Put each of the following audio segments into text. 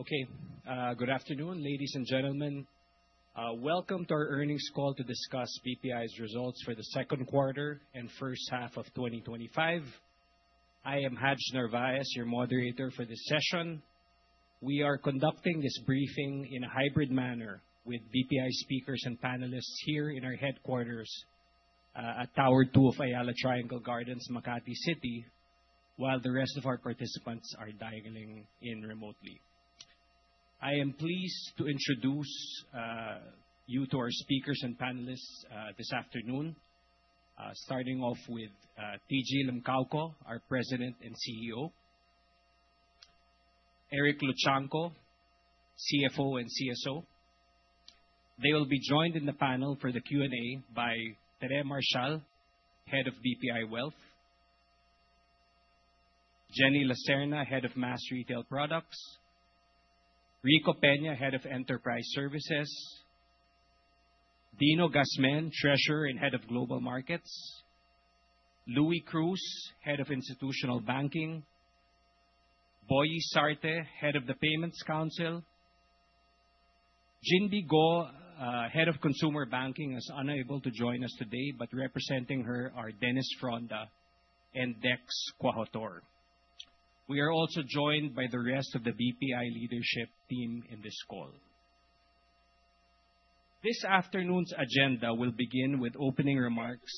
Okay. Good afternoon, ladies and gentlemen. Welcome to our earnings call to discuss BPI's results for the second quarter and first half of 2025. I am Haj Narvaez, your moderator for this session. We are conducting this briefing in a hybrid manner with BPI speakers and panelists here in our headquarters at Tower 2 of Ayala Triangle Gardens, Makati City, while the rest of our participants are dialing in remotely. I am pleased to introduce you to our speakers and panelists this afternoon, starting off with TG Limcaoco, our President and CEO, Eric Luchangco, CFO and CSO. They will be joined in the panel for the Q&A by Tere Marshall, Head of BPI Wealth, Jenny Laserna, Head of Mass Retail Products, Rico Peña, Head of Enterprise Services, Dino Gazmen, Treasurer and Head of Global Markets, Louie Cruz, Head of Institutional Banking, Boye Sarte, Head of the Payments Council. Jin Be Go, Head of Consumer Banking, is unable to join us today, but representing her are Dennis Fronda and Dex Quahotor. We are also joined by the rest of the BPI leadership team in this call. This afternoon's agenda will begin with opening remarks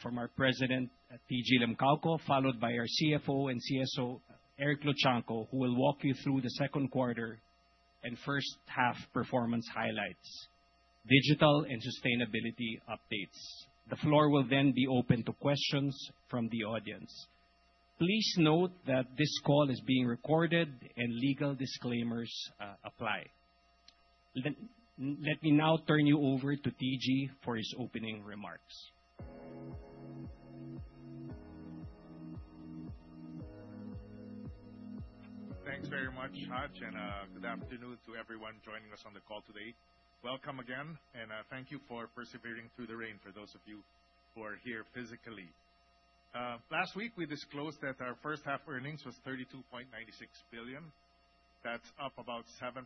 from our President, TG Limcaoco, followed by our CFO and CSO, Eric Luchangco, who will walk you through the second quarter and first half performance highlights, digital and sustainability updates. The floor will then be open to questions from the audience. Please note that this call is being recorded and legal disclaimers apply. Let me now turn you over to TG for his opening remarks. Thanks very much, Haj. Good afternoon to everyone joining us on the call today. Welcome again. Thank you for persevering through the rain for those of you who are here physically. Last week, we disclosed that our first half earnings was 32.96 billion. That's up about 7%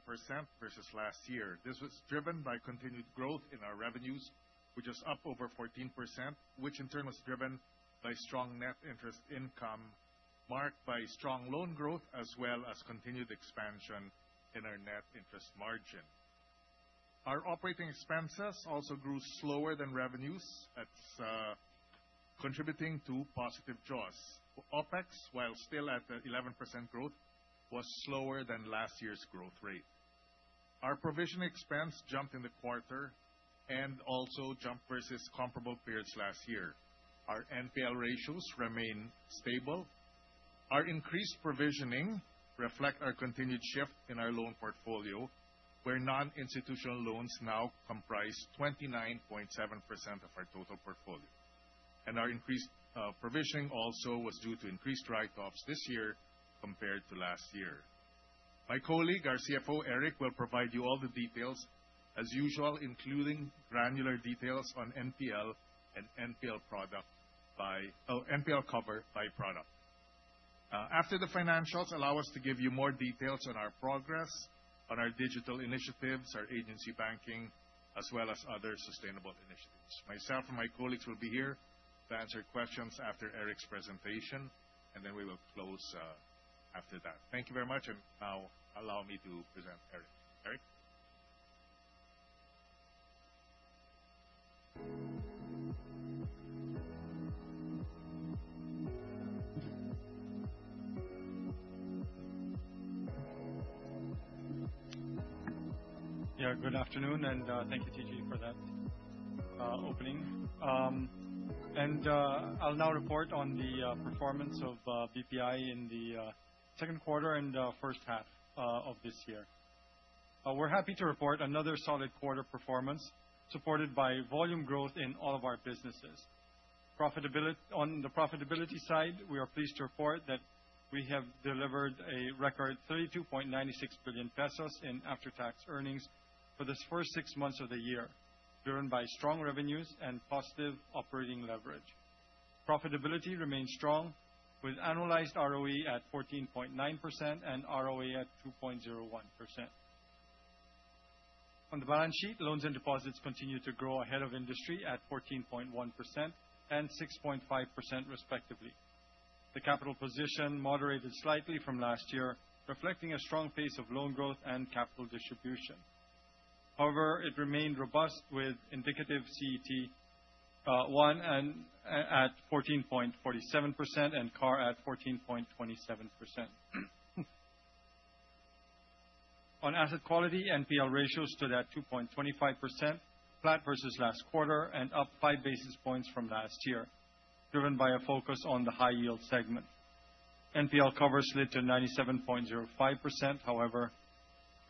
versus last year. This was driven by continued growth in our revenues, which is up over 14%, which in turn was driven by strong net interest income, marked by strong loan growth, as well as continued expansion in our net interest margin. Our operating expenses also grew slower than revenues. That's contributing to positive jaws. OPEX, while still at 11% growth, was slower than last year's growth rate. Our provision expense jumped in the quarter and also jumped versus comparable periods last year. Our NPL ratios remain stable. Our increased provisioning reflect our continued shift in our loan portfolio, where non-institutional loans now comprise 29.7% of our total portfolio. Our increased provisioning also was due to increased write-offs this year compared to last year. My colleague, our CFO, Eric, will provide you all the details as usual, including granular details on NPL cover by product. After the financials, allow us to give you more details on our progress on our digital initiatives, our agency banking, as well as other sustainable initiatives. Myself and my colleagues will be here to answer questions after Eric's presentation. Then we will close after that. Thank you very much. Now allow me to present Eric. Eric? Yeah, good afternoon, and thank you, TG, for that opening. I'll now report on the performance of BPI in the second quarter and first half of this year. We're happy to report another solid quarter performance, supported by volume growth in all of our businesses. On the profitability side, we are pleased to report that we have delivered a record 32.96 billion pesos in after-tax earnings for this first six months of the year, driven by strong revenues and positive operating leverage. Profitability remains strong with analyzed ROE at 14.9% and ROA at 2.01%. On the balance sheet, loans and deposits continue to grow ahead of industry at 14.1% and 6.5%, respectively. The capital position moderated slightly from last year, reflecting a strong pace of loan growth and capital distribution. However, it remained robust with indicative CET1 at 14.47% and CAR at 14.27%. On asset quality, NPL ratios stood at 2.25%, flat versus last quarter and up five basis points from last year, driven by a focus on the high-yield segment. NPL cover slid to 97.05%.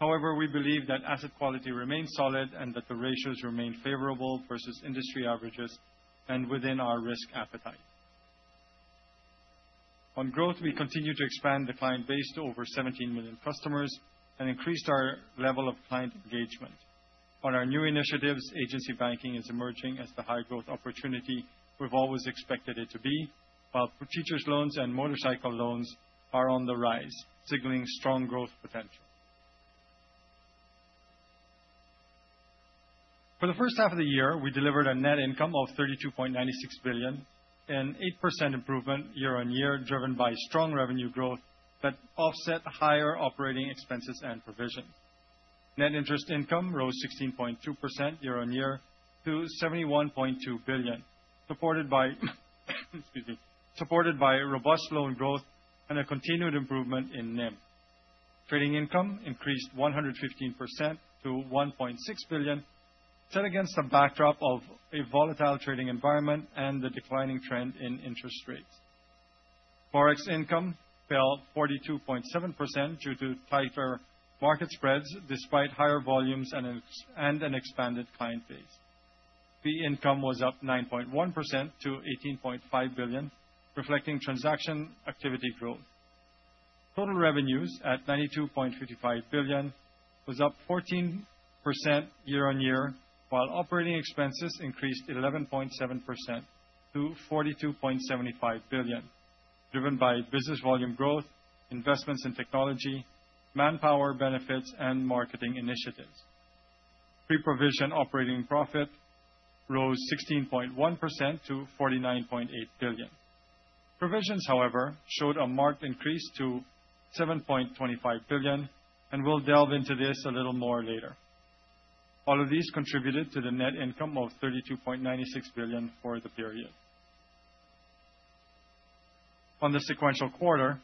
However, we believe that asset quality remains solid and that the ratios remain favorable versus industry averages and within our risk appetite. On growth, we continue to expand the client base to over 17 million customers and increased our level of client engagement. On our new initiatives, agency banking is emerging as the high-growth opportunity we've always expected it to be. While teachers loans and motorcycle loans are on the rise, signaling strong growth potential. For the first half of the year, we delivered a net income of 32.96 billion, an 8% improvement year-on-year, driven by strong revenue growth that offset higher operating expenses and provision. Net interest income rose 16.2% year-on-year to 71.2 billion, supported by excuse me, robust loan growth and a continued improvement in NIM. Trading income increased 115% to 1.6 billion, set against a backdrop of a volatile trading environment and the declining trend in interest rates. Forex income fell 42.7% due to tighter market spreads, despite higher volumes and an expanded client base. Fee income was up 9.1% to 18.5 billion, reflecting transaction activity growth. Total revenues at 92.55 billion was up 14% year-on-year, while operating expenses increased 11.7% to 42.75 billion, driven by business volume growth, investments in technology, manpower benefits, and marketing initiatives. Pre-provision operating profit rose 16.1% to 49.8 billion. Provisions, however, showed a marked increase to 7.25 billion. We'll delve into this a little more later. All of these contributed to the net income of 32.96 billion for the period. On the sequential quarter,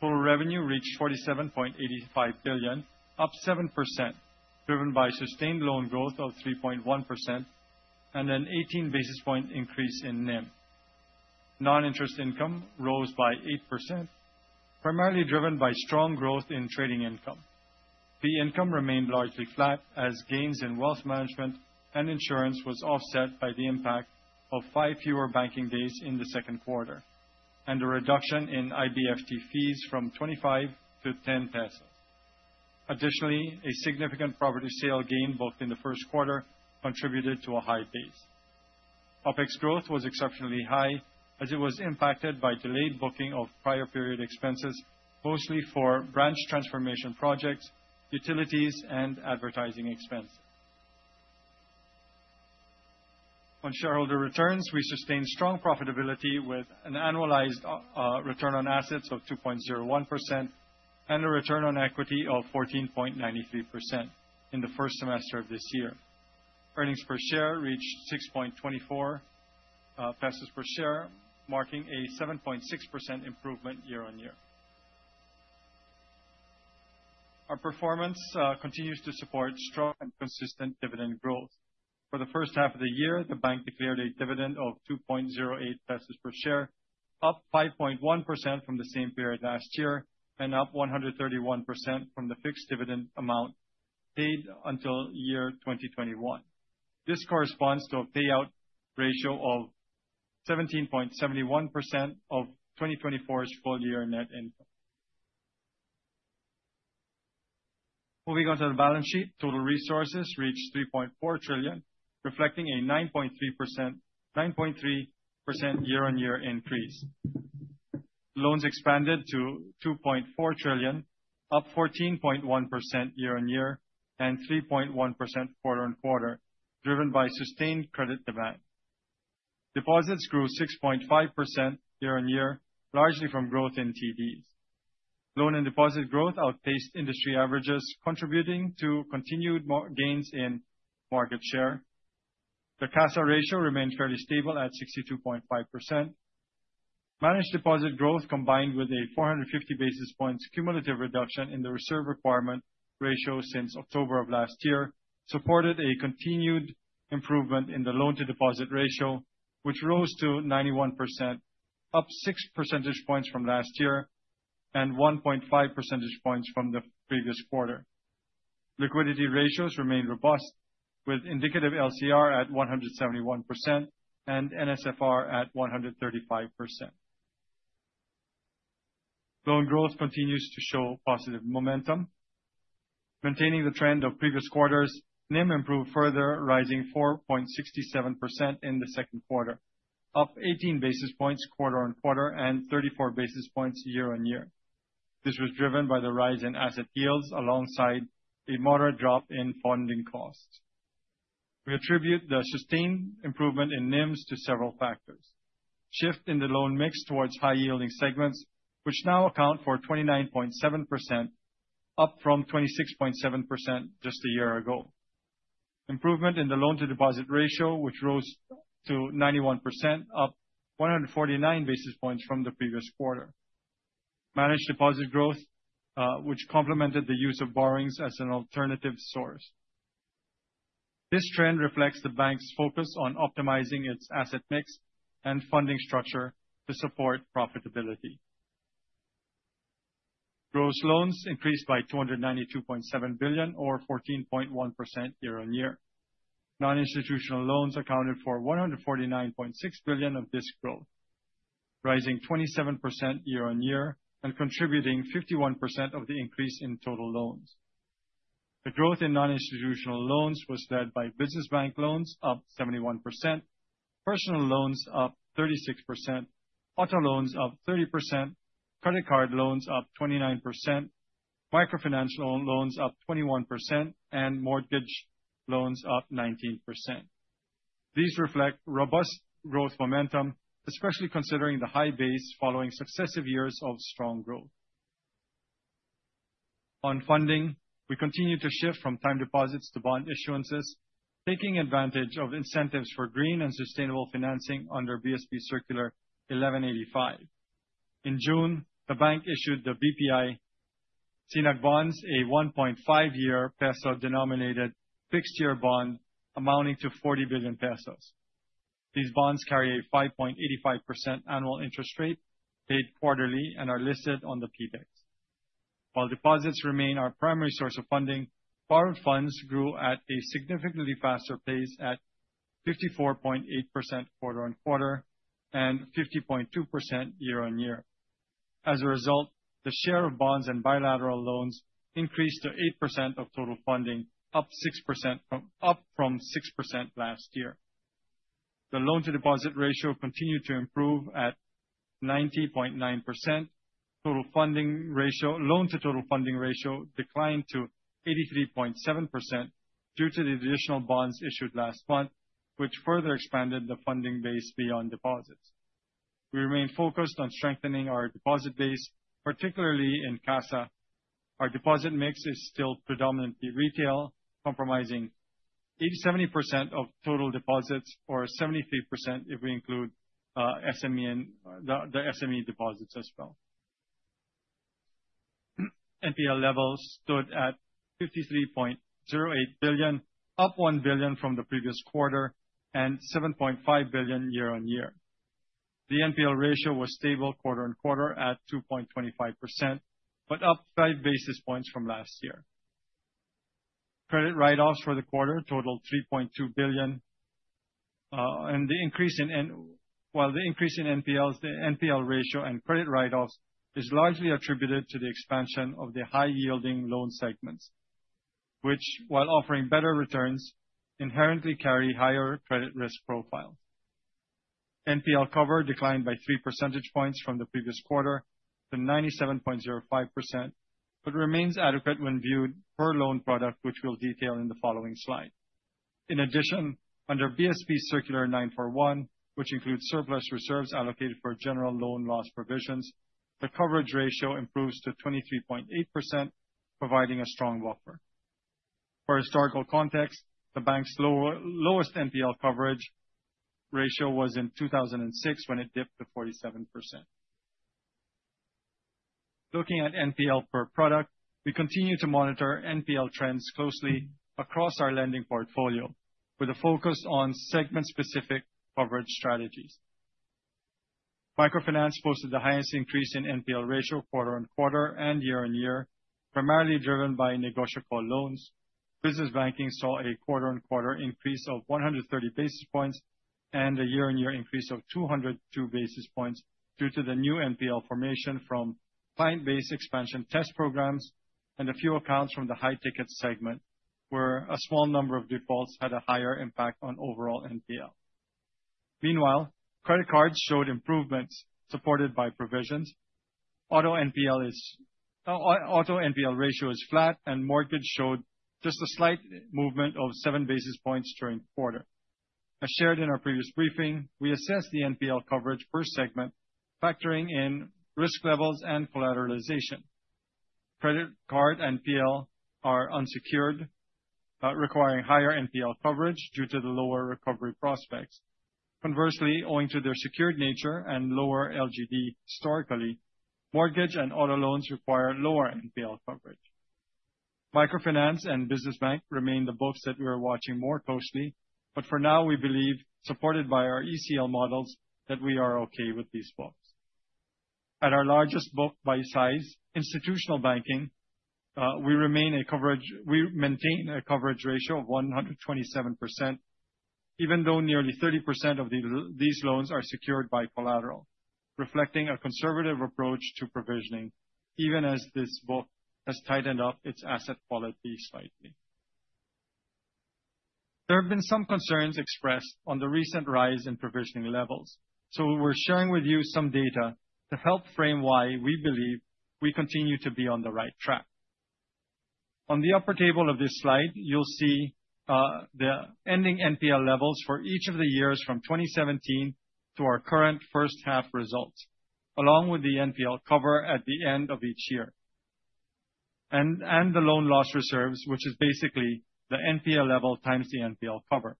total revenue reached 47.85 billion, up 7%, driven by sustained loan growth of 3.1% and an 18 basis point increase in NIM. Non-interest income rose by 8%, primarily driven by strong growth in trading income. Fee income remained largely flat as gains in wealth management and insurance was offset by the impact of five fewer banking days in the second quarter, a reduction in IBFT fees from 25 to 10 pesos. Additionally, a significant property sale gain booked in the first quarter contributed to a high base. OpEx growth was exceptionally high as it was impacted by delayed booking of prior period expenses, mostly for branch transformation projects, utilities, and advertising expenses. On shareholder returns, we sustained strong profitability with an annualized return on assets of 2.01% and a return on equity of 14.93% in the first semester of this year. Earnings per share reached 6.24 pesos per share, marking a 7.6% improvement year-on-year. Our performance continues to support strong and consistent dividend growth. For the first half of the year, the bank declared a dividend of 2.08 pesos per share, up 5.1% from the same period last year and up 131% from the fixed dividend amount paid until 2021. This corresponds to a payout ratio of 17.71% of 2024's full year net income. Moving on to the balance sheet, total resources reached 3.4 trillion, reflecting a 9.3% year-on-year increase. Loans expanded to 2.4 trillion, up 14.1% year-on-year and 3.1% quarter-on-quarter, driven by sustained credit demand. Deposits grew 6.5% year-on-year, largely from growth in CDs. Loan and deposit growth outpaced industry averages, contributing to continued gains in market share. The CASA ratio remained fairly stable at 62.5%. Managed deposit growth combined with a 450 basis points cumulative reduction in the reserve requirement ratio since October of last year supported a continued improvement in the loan-to-deposit ratio, which rose to 91%, up six percentage points from last year and 1.5 percentage points from the previous quarter. Liquidity ratios remain robust, with indicative LCR at 171% and NSFR at 135%. Loan growth continues to show positive momentum. Maintaining the trend of previous quarters, NIM improved further, rising 4.67% in the second quarter, up 18 basis points quarter-on-quarter and 34 basis points year-on-year. This was driven by the rise in asset yields alongside a moderate drop in funding costs. We attribute the sustained improvement in NIMs to several factors. Shift in the loan mix towards high yielding segments, which now account for 29.7%, up from 26.7% just a year ago. Improvement in the loan-to-deposit ratio, which rose to 91%, up 149 basis points from the previous quarter. Managed deposit growth, which complemented the use of borrowings as an alternative source. This trend reflects the bank's focus on optimizing its asset mix and funding structure to support profitability. Gross loans increased by 292.7 billion or 14.1% year-on-year. Non-institutional loans accounted for 149.6 billion of this growth. Rising 27% year-on-year and contributing 51% of the increase in total loans. The growth in non-institutional loans was led by business bank loans up 71%, personal loans up 36%, auto loans up 30%, credit card loans up 29%, microfinance loans up 21%, and mortgage loans up 19%. These reflect robust growth momentum, especially considering the high base following successive years of strong growth. On funding, we continue to shift from time deposits to bond issuances, taking advantage of incentives for green and sustainable financing under BSP Circular 1185. In June, the bank issued the BPI SINAG Bonds, a 1.5-year peso-denominated fixed-rate bond amounting to 40 billion pesos. These bonds carry a 5.85% annual interest rate, paid quarterly and are listed on the PDEx. Deposits remain our primary source of funding, borrowed funds grew at a significantly faster pace at 54.8% quarter-on-quarter and 50.2% year-on-year. As a result, the share of bonds and bilateral loans increased to 8% of total funding, up from 6% last year. The loan-to-deposit ratio continued to improve at 90.9%. Loan-to-total funding ratio declined to 83.7% due to the additional bonds issued last month, which further expanded the funding base beyond deposits. We remain focused on strengthening our deposit base, particularly in CASA. Our deposit mix is still predominantly retail, compromising 70% of total deposits, or 73% if we include the SME deposits as well. NPL levels stood at 53.08 billion, up 1 billion from the previous quarter and 7.5 billion year-on-year. The NPL ratio was stable quarter-on-quarter at 2.25%, but up five basis points from last year. Credit write-offs for the quarter totaled 3.2 billion. While the increase in NPLs, the NPL ratio and credit write-offs is largely attributed to the expansion of the high-yielding loan segments, which while offering better returns, inherently carry higher credit risk profile. NPL cover declined by three percentage points from the previous quarter to 97.05%, but remains adequate when viewed per loan product, which we'll detail in the following slide. In addition, under BSP Circular 941, which includes surplus reserves allocated for general loan loss provisions, the coverage ratio improves to 23.8%, providing a strong buffer. For historical context, the bank's lowest NPL coverage ratio was in 2006 when it dipped to 47%. Looking at NPL per product, we continue to monitor NPL trends closely across our lending portfolio with a focus on segment-specific coverage strategies. Microfinance posted the highest increase in NPL ratio quarter-on-quarter and year-on-year, primarily driven by negotiable loans. Business banking saw a quarter-on-quarter increase of 130 basis points and a year-on-year increase of 202 basis points due to the new NPL formation from client base expansion test programs and a few accounts from the high ticket segment, where a small number of defaults had a higher impact on overall NPL. Credit cards showed improvements supported by provisions. Auto NPL ratio is flat, and mortgage showed just a slight movement of seven basis points during the quarter. As shared in our previous briefing, we assessed the NPL coverage per segment, factoring in risk levels and collateralization. Credit card NPL are unsecured, requiring higher NPL coverage due to the lower recovery prospects. Conversely, owing to their secured nature and lower LGD historically, mortgage and auto loans require lower NPL coverage. Microfinance and Business banking remain the books that we are watching more closely. For now, we believe, supported by our ECL models, that we are okay with these books. At our largest book by size, Institutional Banking, we maintain a coverage ratio of 127%, even though nearly 30% of these loans are secured by collateral, reflecting a conservative approach to provisioning even as this book has tightened up its asset quality slightly. There have been some concerns expressed on the recent rise in provisioning levels. We're sharing with you some data to help frame why we believe we continue to be on the right track. On the upper table of this slide, you'll see the ending NPL levels for each of the years from 2017 to our current first half results, along with the NPL cover at the end of each year and the loan loss reserves, which is basically the NPL level times the NPL cover.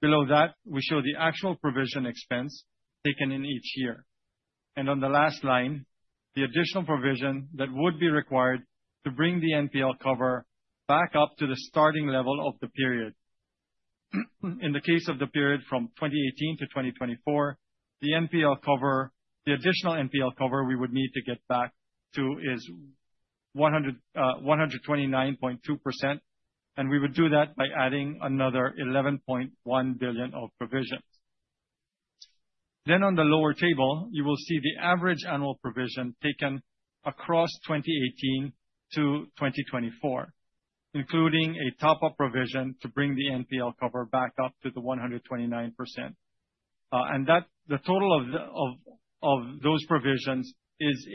Below that, we show the actual provision expense taken in each year. On the last line, the additional provision that would be required to bring the NPL cover back up to the starting level of the period. In the case of the period from 2018-2024, the additional NPL cover we would need to get back to is 129.2%, and we would do that by adding another 11.1 billion of provisions. On the lower table, you will see the average annual provision taken across 2018-2024, including a top-up provision to bring the NPL cover back up to the 129%. The total of those provisions is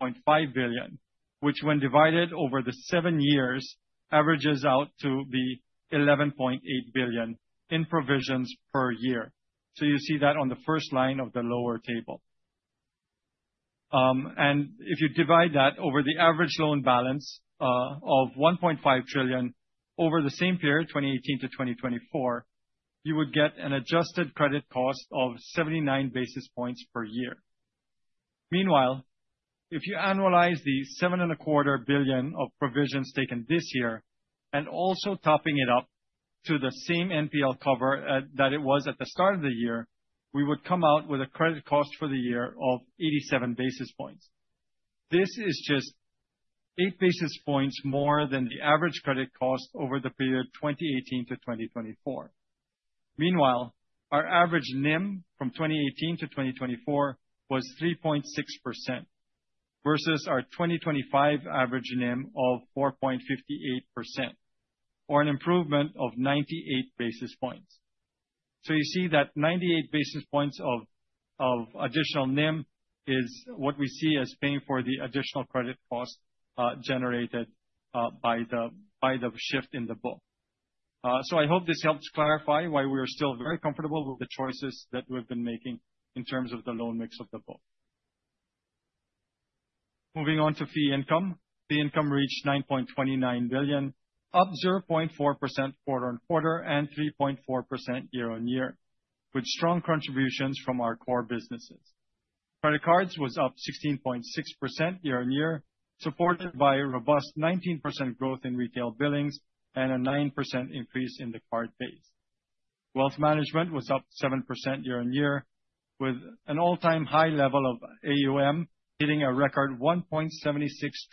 82.5 billion, which when divided over the 7 years, averages out to be 11.8 billion in provisions per year. You see that on the first line of the lower table. If you divide that over the average loan balance of 1.5 trillion over the same period, 2018-2024, you would get an adjusted credit cost of 79 basis points per year. Meanwhile, if you annualize the seven and a quarter billion of provisions taken this year, and also topping it up to the same NPL cover that it was at the start of the year, we would come out with a credit cost for the year of 87 basis points. This is just eight basis points more than the average credit cost over the period 2018-2024. Meanwhile, our average NIM from 2018-2024 was 3.6%, versus our 2025 average NIM of 4.58%, or an improvement of 98 basis points. You see that 98 basis points of additional NIM is what we see as paying for the additional credit cost generated by the shift in the book. I hope this helps clarify why we are still very comfortable with the choices that we've been making in terms of the loan mix of the book. Moving on to fee income. Fee income reached 9.29 billion, up 0.4% quarter-on-quarter and 3.4% year-on-year, with strong contributions from our core businesses. Credit cards was up 16.6% year-on-year, supported by a robust 19% growth in retail billings and a 9% increase in the card base. Wealth management was up 7% year-on-year, with an all-time high level of AUM hitting a record 1.76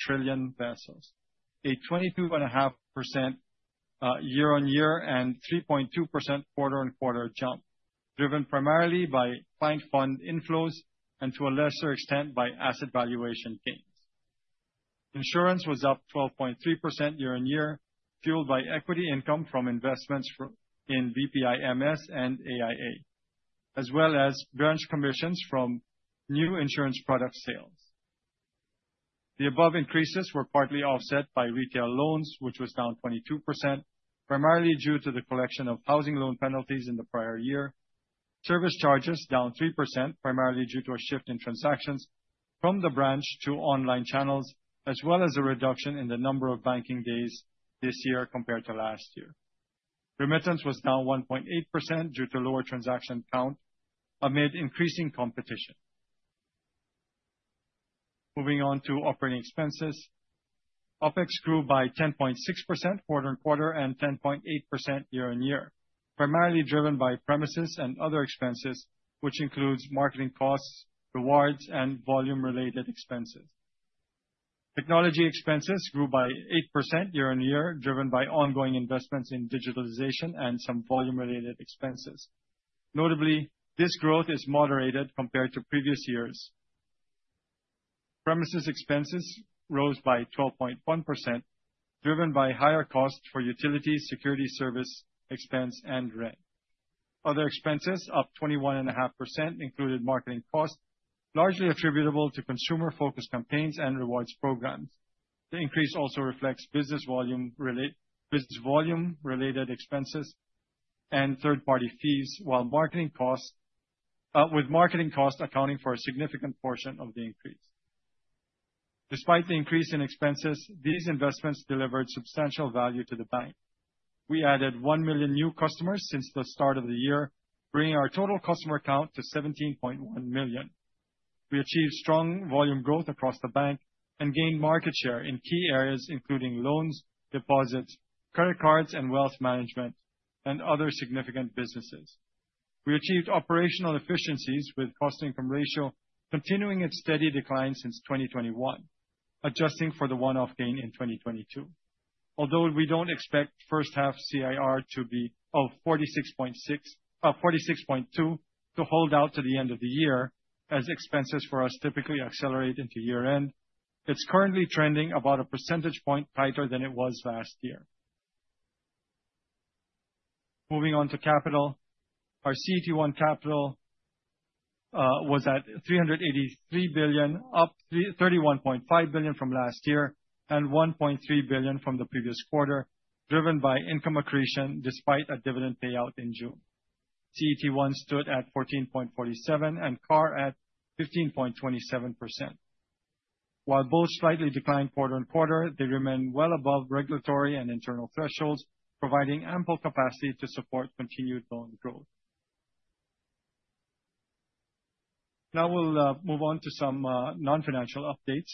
trillion pesos, a 22.5% year-on-year and 3.2% quarter-on-quarter jump, driven primarily by client fund inflows and to a lesser extent, by asset valuation gains. Insurance was up 12.3% year-on-year, fueled by equity income from investments in BPI/MS and AIA, as well as branch commissions from new insurance product sales. The above increases were partly offset by retail loans, which was down 22%, primarily due to the collection of housing loan penalties in the prior year. Service charges down 3%, primarily due to a shift in transactions from the branch to online channels, as well as a reduction in the number of banking days this year compared to last year. Remittance was down 1.8% due to lower transaction count amid increasing competition. Moving on to operating expenses. OPEX grew by 10.6% quarter-on-quarter and 10.8% year-on-year, primarily driven by premises and other expenses, which includes marketing costs, rewards, and volume-related expenses. Technology expenses grew by 8% year-on-year, driven by ongoing investments in digitalization and some volume-related expenses. Notably, this growth is moderated compared to previous years. Premises expenses rose by 12.1%, driven by higher costs for utilities, security service expense, and rent. Other expenses up 21.5% included marketing costs, largely attributable to consumer-focused campaigns and rewards programs. The increase also reflects business volume-related expenses and third-party fees, with marketing costs accounting for a significant portion of the increase. Despite the increase in expenses, these investments delivered substantial value to the bank. We added 1 million new customers since the start of the year, bringing our total customer count to 17.1 million. We achieved strong volume growth across the bank and gained market share in key areas including loans, deposits, credit cards, and wealth management, and other significant businesses. We achieved operational efficiencies with cost-income ratio continuing its steady decline since 2021, adjusting for the one-off gain in 2022. We don't expect first half CIR of 46.2 to hold out to the end of the year, as expenses for us typically accelerate into year-end, it's currently trending about a percentage point tighter than it was last year. Moving on to capital. Our CET1 capital was at 383 billion, up 31.5 billion from last year and 1.3 billion from the previous quarter, driven by income accretion despite a dividend payout in June. CET1 stood at 14.47% and CAR at 15.27%. While both slightly declined quarter-on-quarter, they remain well above regulatory and internal thresholds, providing ample capacity to support continued loan growth. Now we'll move on to some non-financial updates.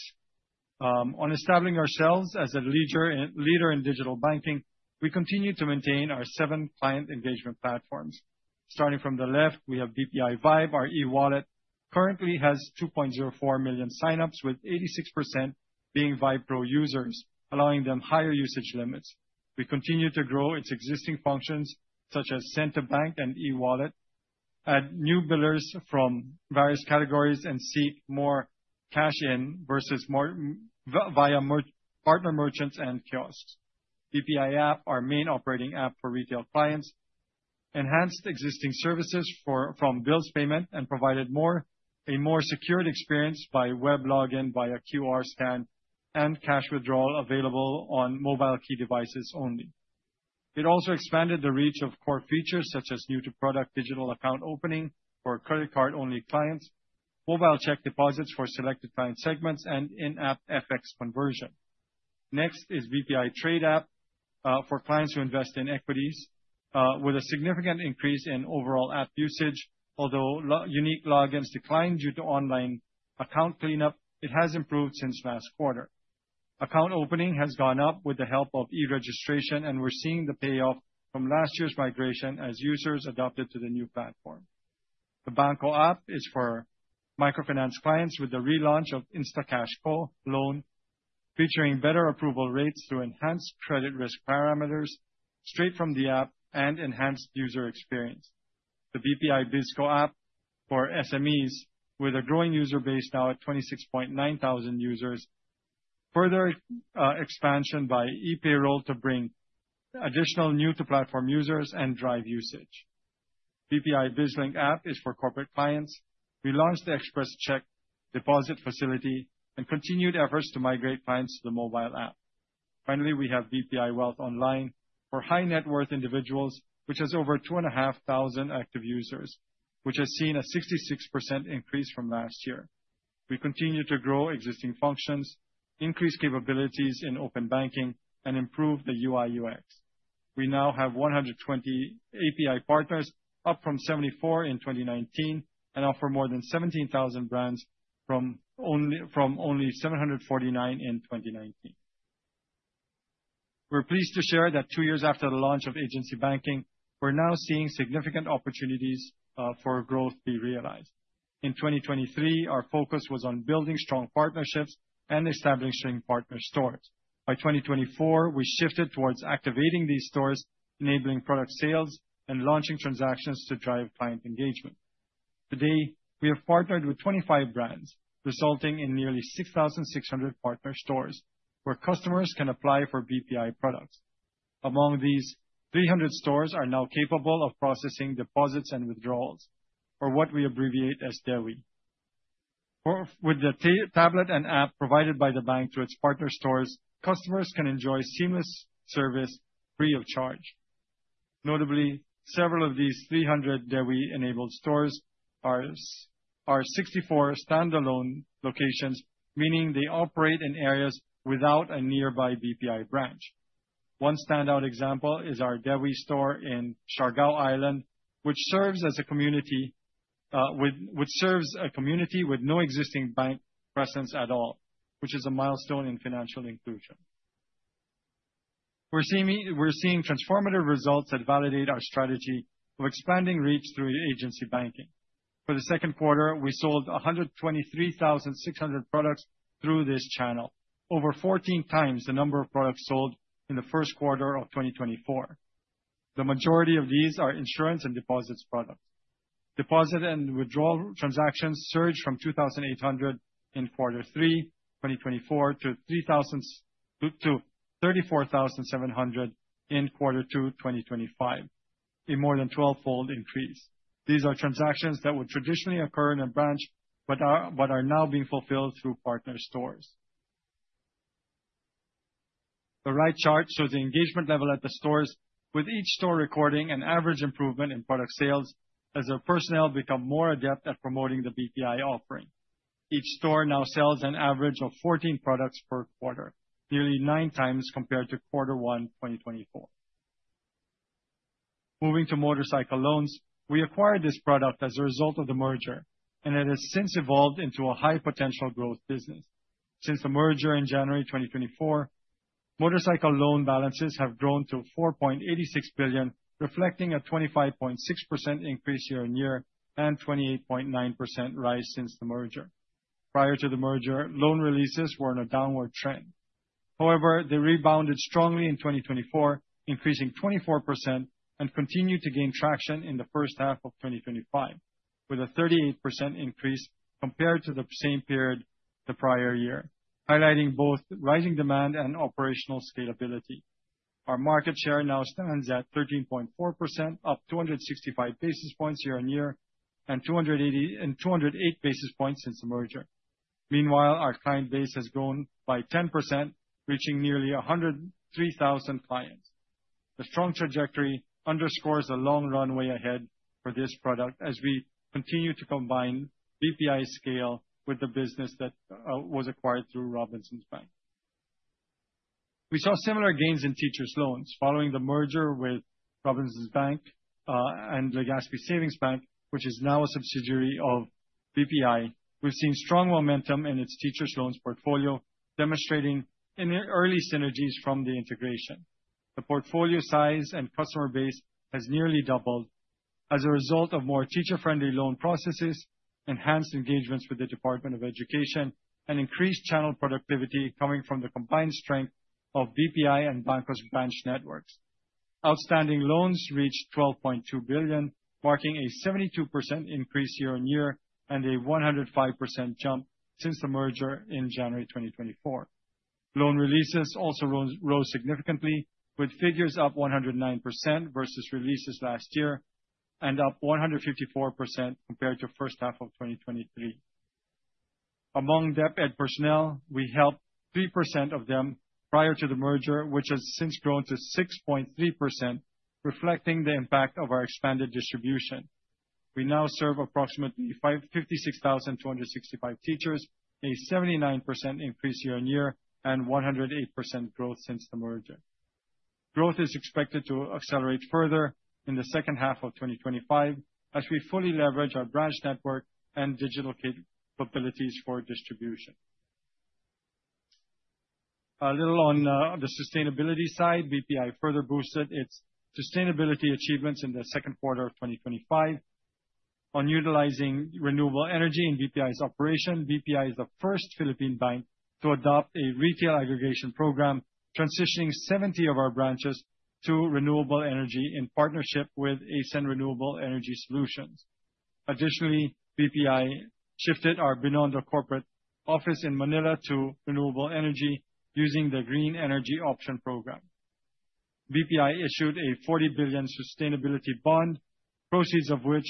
On establishing ourselves as a leader in digital banking, we continue to maintain our seven client engagement platforms. Starting from the left, we have BPI VYBE, our e-wallet, currently has 2.04 million signups, with 86% being VIPRO users, allowing them higher usage limits. We continue to grow its existing functions, such as CenterBank and eWallet, add new billers from various categories, and seek more cash in via partner merchants and kiosks. BPI app, our main operating app for retail clients, enhanced existing services from bills payment and provided a more secured experience by web login via QR scan and cash withdrawal available on Mobile Key devices only. It also expanded the reach of core features such as new-to-product digital account opening for credit card-only clients, mobile check deposits for selected client segments, and in-app FX conversion. Next is BPI Trade app, for clients who invest in equities, with a significant increase in overall app usage. Unique logins declined due to online account cleanup, it has improved since last quarter. Account opening has gone up with the help of e-registration, and we're seeing the payoff from last year's migration as users adapted to the new platform. The BanKo app is for microfinance clients with the relaunch of InstaCash Ko Loan, featuring better approval rates through enhanced credit risk parameters straight from the app and enhanced user experience. The BPI BizKo app for SMEs with a growing user base now at 26,900 users. Further expansion by e-payroll to bring additional new-to-platform users and drive usage. BPI BizLink app is for corporate clients. We launched the express check deposit facility and continued efforts to migrate clients to the mobile app. Finally, we have BPI Wealth Online for high net worth individuals, which has over 2,500 active users, which has seen a 66% increase from last year. We continue to grow existing functions, increase capabilities in open banking, and improve the UI/UX. We now have 120 API partners, up from 74 in 2019, and offer more than 17,000 brands from only 749 in 2019. We are pleased to share that two years after the launch of agency banking, we are now seeing significant opportunities for growth be realized. 2023, our focus was on building strong partnerships and establishing partner stores. By 2024, we shifted towards activating these stores, enabling product sales and launching transactions to drive client engagement. Today, we have partnered with 25 brands, resulting in nearly 6,600 partner stores where customers can apply for BPI products. Among these, 300 stores are now capable of processing deposits and withdrawals, or what we abbreviate as DEWI. With the tablet and app provided by the bank to its partner stores, customers can enjoy seamless service free of charge. Notably, several of these 300 DEWI-enabled stores are 64 standalone locations, meaning they operate in areas without a nearby BPI branch. One standout example is our DEWI store in Siargao Island, which serves a community with no existing bank presence at all, which is a milestone in financial inclusion. We are seeing transformative results that validate our strategy of expanding reach through agency banking. For the second quarter, we sold 123,600 products through this channel. Over 14 times the number of products sold in the first quarter of 2024. The majority of these are insurance and deposits products. Deposit and withdrawal transactions surged from 2,800 in quarter three 2024 to 34,700 in quarter two 2025, a more than twelvefold increase. These are transactions that would traditionally occur in a branch, but are now being fulfilled through partner stores. The right chart shows the engagement level at the stores, with each store recording an average improvement in product sales as their personnel become more adept at promoting the BPI offering. Each store now sells an average of 14 products per quarter, nearly nine times compared to quarter one 2024. Moving to motorcycle loans. We acquired this product as a result of the merger, and it has since evolved into a high potential growth business. Since the merger in January 2024, motorcycle loan balances have grown to 4.86 billion, reflecting a 25.6% increase year-on-year and 28.9% rise since the merger. Prior to the merger, loan releases were on a downward trend. However, they rebounded strongly in 2024, increasing 24%, and continued to gain traction in the first half of 2025, with a 38% increase compared to the same period the prior year, highlighting both rising demand and operational scalability. Our market share now stands at 13.4%, up 265 basis points year-on-year and 208 basis points since the merger. Meanwhile, our client base has grown by 10%, reaching nearly 103,000 clients. The strong trajectory underscores a long runway ahead for this product as we continue to combine BPI scale with the business that was acquired through Robinsons Bank. We saw similar gains in teachers loans following the merger with Robinsons Bank, and Legazpi Savings Bank, which is now a subsidiary of BPI. We have seen strong momentum in its teachers loans portfolio, demonstrating early synergies from the integration. The portfolio size and customer base has nearly doubled as a result of more teacher-friendly loan processes, enhanced engagements with the Department of Education, and increased channel productivity coming from the combined strength of BPI and BanKo's branch networks. Outstanding loans reached 12.2 billion, marking a 72% increase year-on-year and a 105% jump since the merger in January 2024. Loan releases also rose significantly, with figures up 109% versus releases last year and up 154% compared to first half of 2023. Among DepEd personnel, we helped 3% of them prior to the merger, which has since grown to 6.3%, reflecting the impact of our expanded distribution. We now serve approximately 56,265 teachers, a 79% increase year-on-year, and 108% growth since the merger. Growth is expected to accelerate further in the second half of 2025 as we fully leverage our branch network and digital capabilities for distribution. A little on the sustainability side. BPI further boosted its sustainability achievements in the second quarter of 2025 on utilizing renewable energy in BPI's operation. BPI is the first Philippine bank to adopt a retail aggregation program, transitioning 70 of our branches to renewable energy in partnership with ACEN Renewable Energy Solutions. Additionally, BPI shifted our Binondo corporate office in Manila to renewable energy using the Green Energy Option program. BPI issued a 40 billion sustainability bond, proceeds of which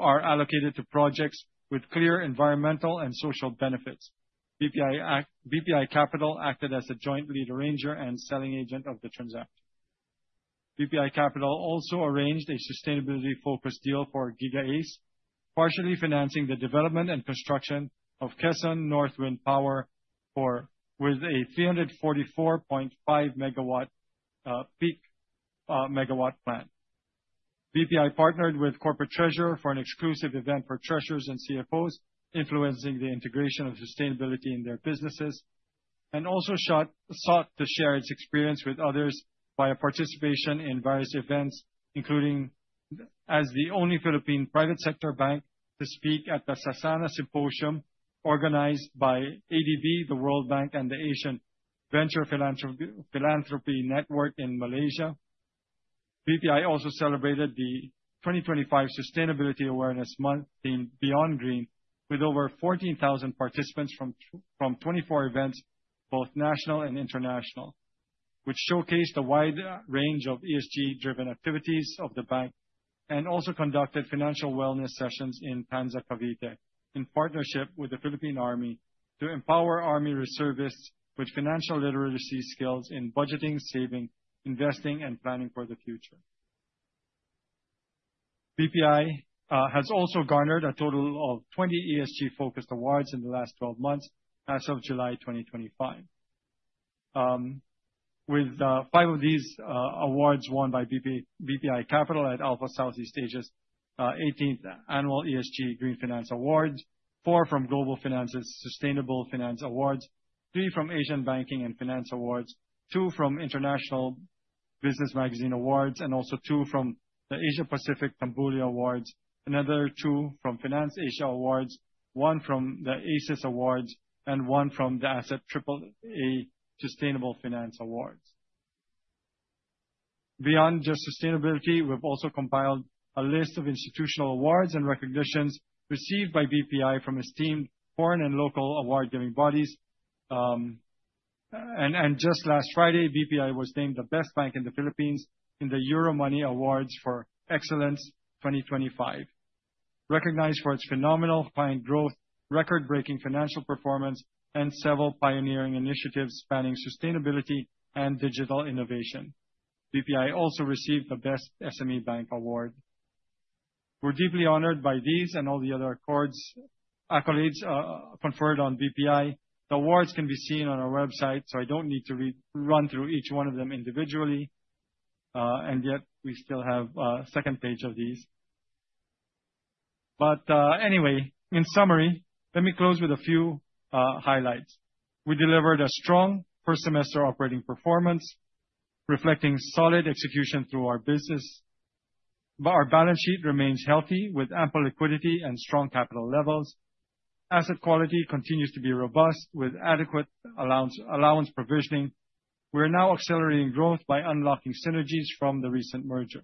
are allocated to projects with clear environmental and social benefits. BPI Capital acted as a joint lead arranger and selling agent of the transaction. BPI Capital also arranged a sustainability-focused deal for Giga Ace, partially financing the development and construction of Quezon North Wind Power with a 344.5 peak MW plan. BPI partnered with The Corporate Treasurer for an exclusive event for treasurers and CFOs, influencing the integration of sustainability in their businesses, also sought to share its experience with others by participation in various events, including as the only Philippine private sector bank to speak at the Sasana Symposium organized by ADB, the World Bank, and the Asian Venture Philanthropy Network in Malaysia. BPI also celebrated the 2025 Sustainability Awareness Month themed Beyond Green, with over 14,000 participants from 24 events, both national and international, which showcased a wide range of ESG-driven activities of the bank, also conducted financial wellness sessions in Tanza, Cavite, in partnership with the Philippine Army to empower army reservists with financial literacy skills in budgeting, saving, investing, and planning for the future. BPI has also garnered a total of 20 ESG-focused awards in the last 12 months as of July 2025. With five of these awards won by BPI Capital at Alpha Southeast Asia's 18th Annual ESG Green Finance Awards, four from Global Finance's Sustainable Finance Awards, three from Asian Banking and Finance Awards, two from International Business Magazine Awards, also two from the Asia Pacific Tambuli Awards, another two from FinanceAsia Awards, one from the ASES Awards, and one from The Asset Triple A Sustainable Finance Awards. Beyond just sustainability, we've also compiled a list of institutional awards and recognitions received by BPI from esteemed foreign and local award-giving bodies. Just last Friday, BPI was named the best bank in the Philippines in the Euromoney Awards for Excellence 2025. Recognized for its phenomenal fine growth, record-breaking financial performance, and several pioneering initiatives spanning sustainability and digital innovation. BPI also received the Best SME Bank award. We're deeply honored by these and all the other accolades conferred on BPI. The awards can be seen on our website, I don't need to run through each one of them individually. Yet we still have a second page of these. Anyway, in summary, let me close with a few highlights. We delivered a strong first semester operating performance, reflecting solid execution through our business. Our balance sheet remains healthy with ample liquidity and strong capital levels. Asset quality continues to be robust with adequate allowance provisioning. We are now accelerating growth by unlocking synergies from the recent merger.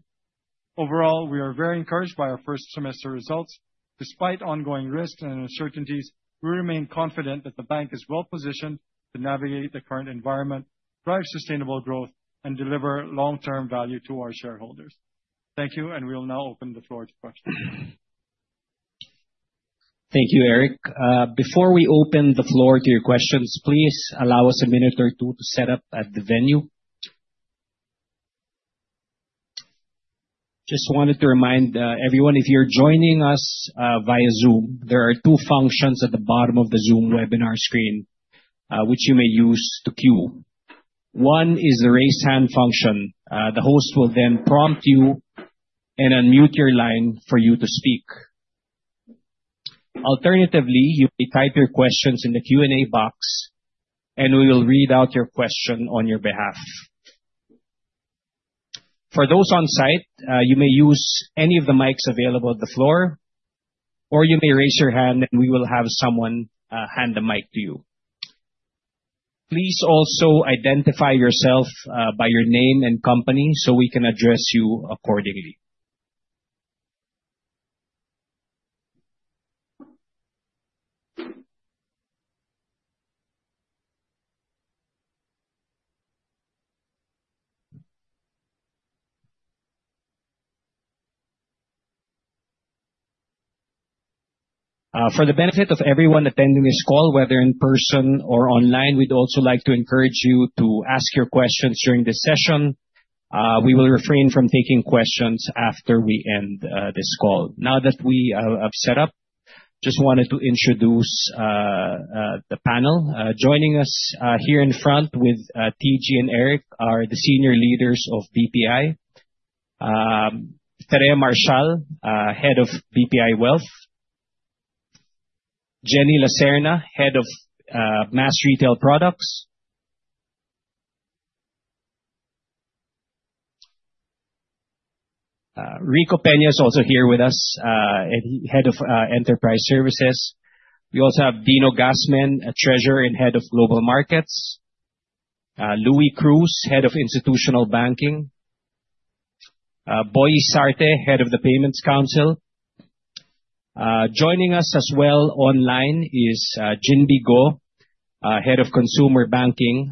Overall, we are very encouraged by our first semester results. Despite ongoing risks and uncertainties, we remain confident that the bank is well positioned to navigate the current environment, drive sustainable growth, and deliver long-term value to our shareholders. Thank you. We will now open the floor to questions. Thank you, Eric. Before we open the floor to your questions, please allow us a minute or two to set up at the venue. Just wanted to remind everyone, if you're joining us via Zoom, there are two functions at the bottom of the Zoom webinar screen, which you may use to queue. One is the raise hand function. The host will then prompt you and unmute your line for you to speak. Alternatively, you may type your questions in the Q&A box. We will read out your question on your behalf. For those on site, you may use any of the mics available on the floor. You may raise your hand and we will have someone hand the mic to you. Please also identify yourself by your name and company so we can address you accordingly. For the benefit of everyone attending this call, whether in person or online, we'd also like to encourage you to ask your questions during this session. We will refrain from taking questions after we end this call. Now that we have set up, just wanted to introduce the panel. Joining us here in front with TG and Eric are the senior leaders of BPI. Tereha Marcial, Head of BPI Wealth. Jenny Laserna, Head of Mass Retail Products. Rico Pena is also here with us, Head of Enterprise Services. We also have Dino Gasmen, Treasurer and Head of Global Markets. Louie Cruz, Head of Institutional Banking. Boy Isarte, Head of the Payments Council. Joining us as well online is Jindee Go, Head of Consumer Banking.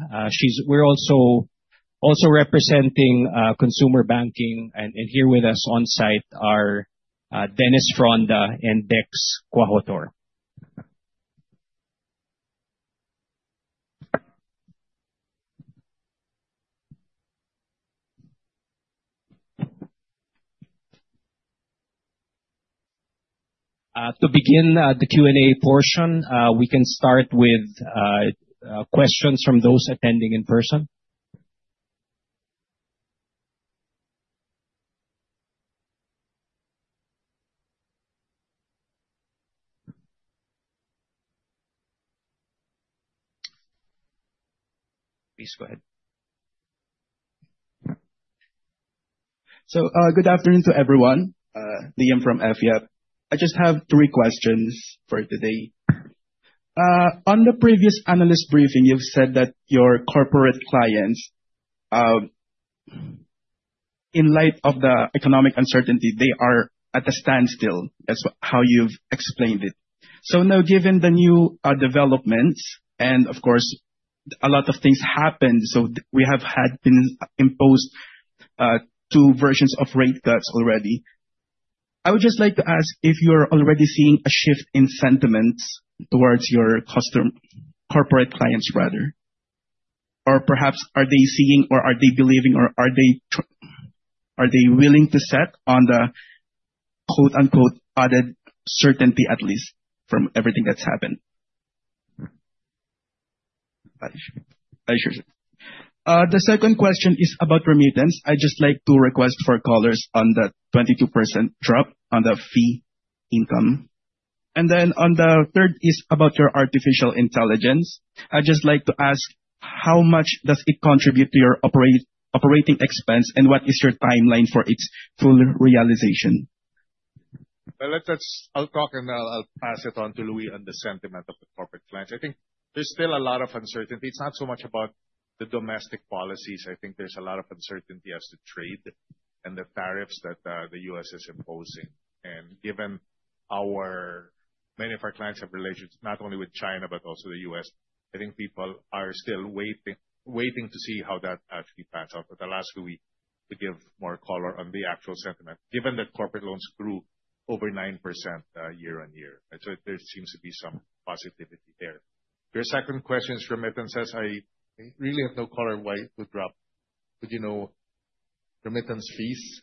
Also representing Consumer Banking and here with us on-site are Dennis Ronda and Dex Quahotor. To begin the Q&A portion, we can start with questions from those attending in person. Please go ahead. Good afternoon to everyone. Liam from FIAP. I just have three questions for today. On the previous analyst briefing, you've said that your corporate clients, in light of the economic uncertainty, they are at a standstill. That's how you've explained it. Now, given the new developments and of course, a lot of things happened. We have had been imposed two versions of rate cuts already. I would just like to ask if you're already seeing a shift in sentiments towards your corporate clients. Or perhaps are they seeing, or are they believing, or are they willing to set on the "added certainty," at least from everything that's happened? I share it. The second question is about remittance. I'd just like to request for colors on that 22% drop on the fee income. On the third is about your artificial intelligence. I'd just like to ask, how much does it contribute to your operating expense, and what is your timeline for its full realization? I'll talk. I'll pass it on to Louie on the sentiment of the corporate clients. I think there's still a lot of uncertainty. It's not so much about the domestic policies. I think there's a lot of uncertainty as to trade and the tariffs that the U.S. is imposing. Given many of our clients have relations not only with China but also the U.S., I think people are still waiting to see how that actually pans out for the last few week to give more color on the actual sentiment, given that corporate loans grew over 9% year-over-year. There seems to be some positivity there. Your second question is remittances. I really have no color why it would drop. You know, remittance fees.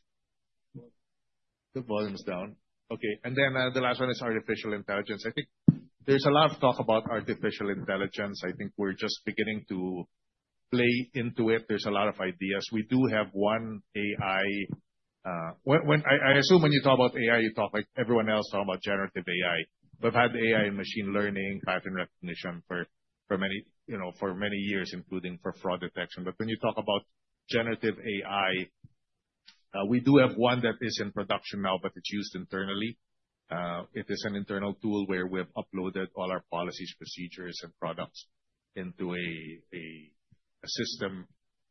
The volume's down. Okay. The last one is artificial intelligence. I think there's a lot of talk about artificial intelligence. I think we're just beginning to play into it. There's a lot of ideas. I assume when you talk about AI, you talk like everyone else, talk about generative AI. We've had AI and machine learning, pattern recognition for many years, including for fraud detection. When you talk about generative AI, we do have one that is in production now, but it's used internally. It is an internal tool where we've uploaded all our policies, procedures, and products into a system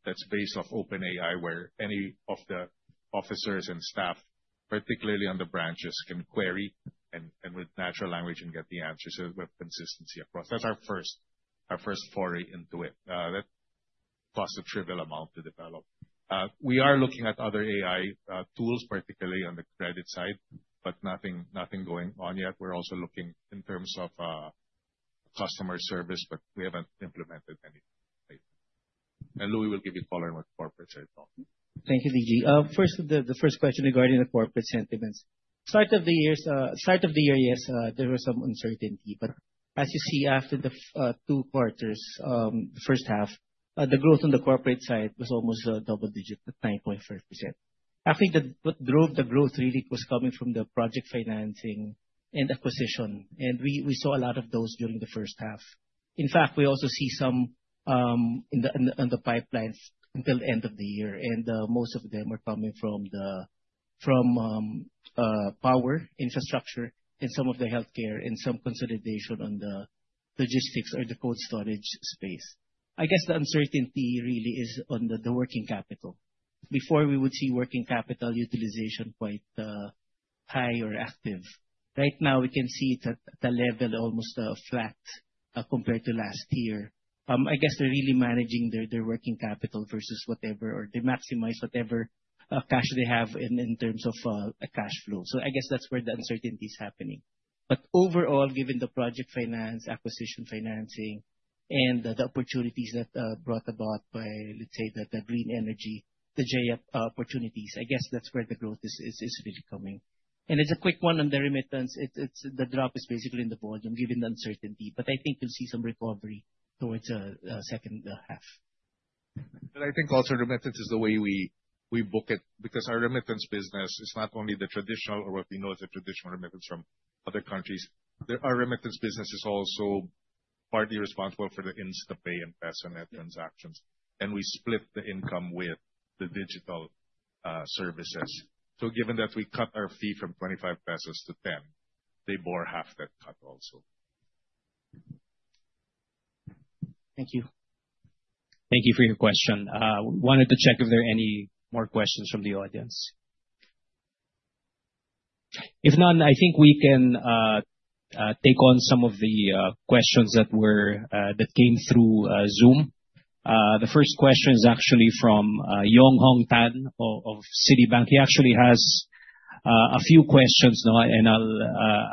that's based off OpenAI, where any of the officers and staff, particularly on the branches, can query and with natural language and get the answers with consistency across. That's our first foray into it. That costs a trivial amount to develop. We are looking at other AI tools, particularly on the credit side, but nothing going on yet. We're also looking in terms of customer service, but we haven't implemented any yet. Louie will give you color on what the corporate side is all. Thank you, TG. The first question regarding the corporate sentiments. Start of the year, yes, there was some uncertainty. As you see, after the two quarters, the first half, the growth on the corporate side was almost double digit at 9.5%. I think what drove the growth really was coming from the project financing and acquisition, and we saw a lot of those during the first half. In fact, we also see some in the pipelines until end of the year. Most of them are coming from power infrastructure and some of the healthcare, and some consolidation on the logistics or the cold storage space. I guess the uncertainty really is on the working capital. Before we would see working capital utilization quite high or active. Right now we can see it at a level almost flat compared to last year. I guess they're really managing their working capital versus whatever, or they maximize whatever cash they have in terms of cash flow. I guess that's where the uncertainty is happening. Overall, given the project finance, acquisition financing, and the opportunities that are brought about by, let's say, the green energy, the GEAPP opportunities, I guess that's where the growth is really coming. As a quick one on the remittance, the drop is basically in the volume given the uncertainty. But I think you'll see some recovery towards second half. I think also remittance is the way we book it because our remittance business is not only the traditional or what we know as the traditional remittance from other countries. Our remittance business is also partly responsible for the InstaPay and PESONet transactions, and we split the income with the digital services. Given that we cut our fee from 25 pesos to 10, they bore half that cut also. Thank you. Thank you for your question. Wanted to check if there are any more questions from the audience. If none, I think we can take on some of the questions that came through Zoom. The first question is actually from Tan Yong Hong of Citi. He actually has a few questions, and I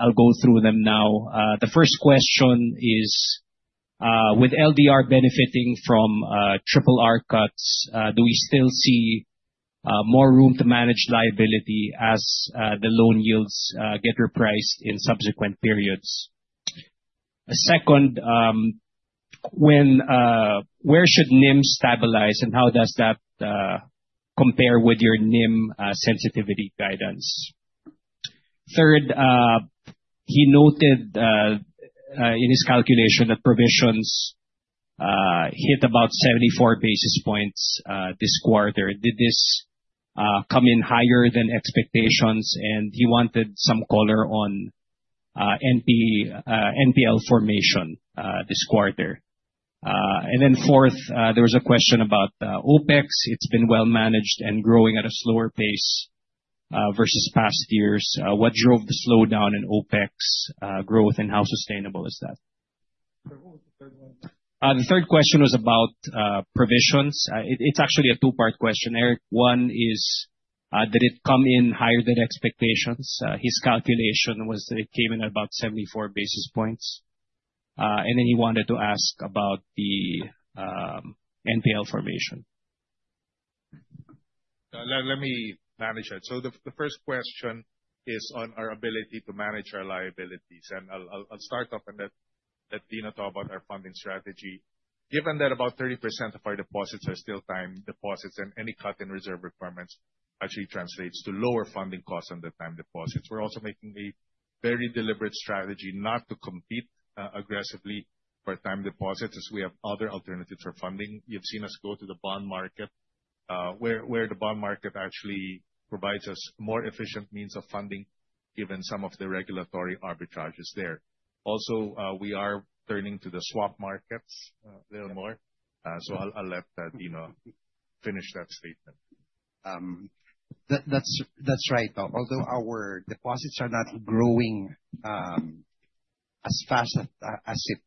will go through them now. The first question is: With LDR benefiting from triple R cuts, do we still see more room to manage liability as the loan yields get repriced in subsequent periods? Second, where should NIM stabilize and how does that compare with your NIM sensitivity guidance? Third, he noted in his calculation that provisions hit about 74 basis points this quarter. Did this come in higher than expectations? He wanted some color on NPL formation this quarter. Fourth, there was a question about OPEX. It has been well managed and growing at a slower pace versus past years. What drove the slowdown in OPEX growth and how sustainable is that? Sorry, what was the third one? The third question was about provisions. It's actually a two-part question, Eric. One is, did it come in higher than expectations? His calculation was that it came in about 74 basis points. He wanted to ask about the NPL formation. Let me manage that. The first question is on our ability to manage our liabilities, I'll start off and let Dino talk about our funding strategy. Given that about 30% of our deposits are still time deposits, any cut in reserve requirements actually translates to lower funding costs on the time deposits. We're also making a very deliberate strategy not to compete aggressively for time deposits, as we have other alternatives for funding. You've seen us go to the bond market, where the bond market actually provides us more efficient means of funding given some of the regulatory arbitrages there. Also, we are turning to the swap markets a little more. I'll let Dino finish that statement. That's right. Although our deposits are not growing as fast as it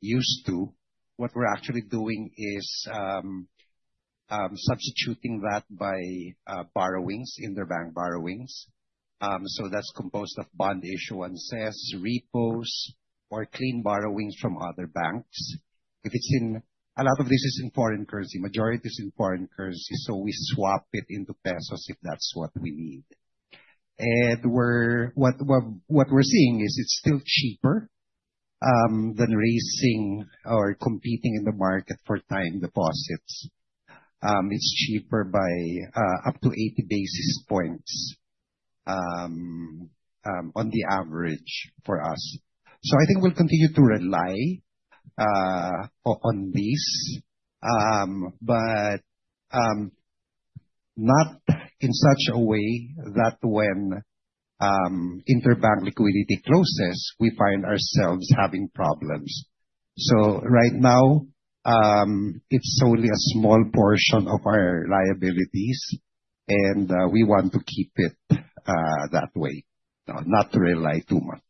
used to, what we're actually doing is substituting that by borrowings, inter-bank borrowings. That's composed of bond issuance, repos or clean borrowings from other banks. A lot of this is in foreign currency, majority is in foreign currency, we swap it into PHP if that's what we need. What we're seeing is it's still cheaper than raising or competing in the market for time deposits. It's cheaper by up to 80 basis points on the average for us. I think we'll continue to rely on this, but not in such a way that when interbank liquidity closes, we find ourselves having problems. Right now, it's only a small portion of our liabilities, and we want to keep it that way. Not rely too much.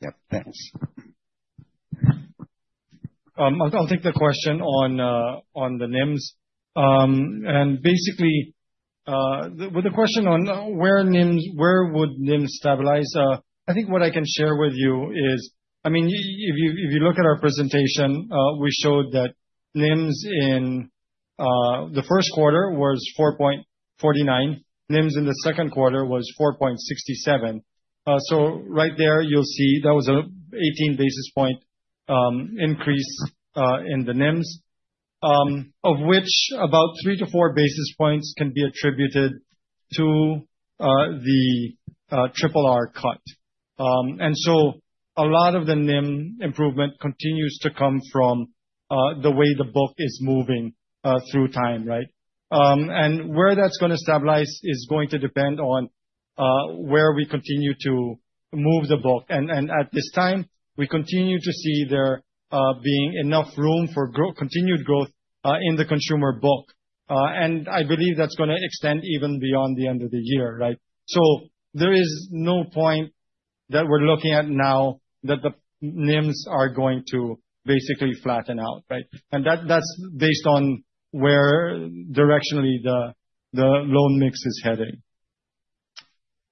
Yep, thanks. I'll take the question on the NIMs. Basically, with the question on where would NIM stabilize, I think what I can share with you is, if you look at our presentation, we showed that NIMs in the first quarter was 4.49. NIMs in the second quarter was 4.67. So right there you'll see that was an 18 basis point increase in the NIMs, of which about three to four basis points can be attributed to the triple R cut. A lot of the NIM improvement continues to come from the way the book is moving through time, right? And where that's going to stabilize is going to depend on where we continue to move the book. At this time, we continue to see there being enough room for continued growth in the consumer book. I believe that's going to extend even beyond the end of the year, right? There is no point that we're looking at now that the NIMs are going to basically flatten out, right? That's based on where directionally the loan mix is heading.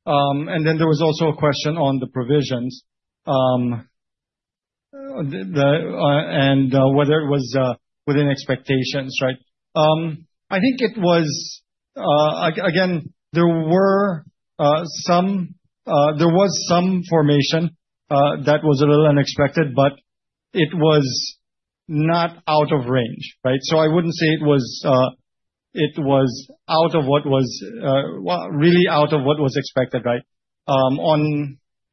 There was also a question on the provisions and whether it was within expectations, right? I think it was, again, there was some formation that was a little unexpected, but it was not out of range, right? I wouldn't say it was really out of what was expected, right?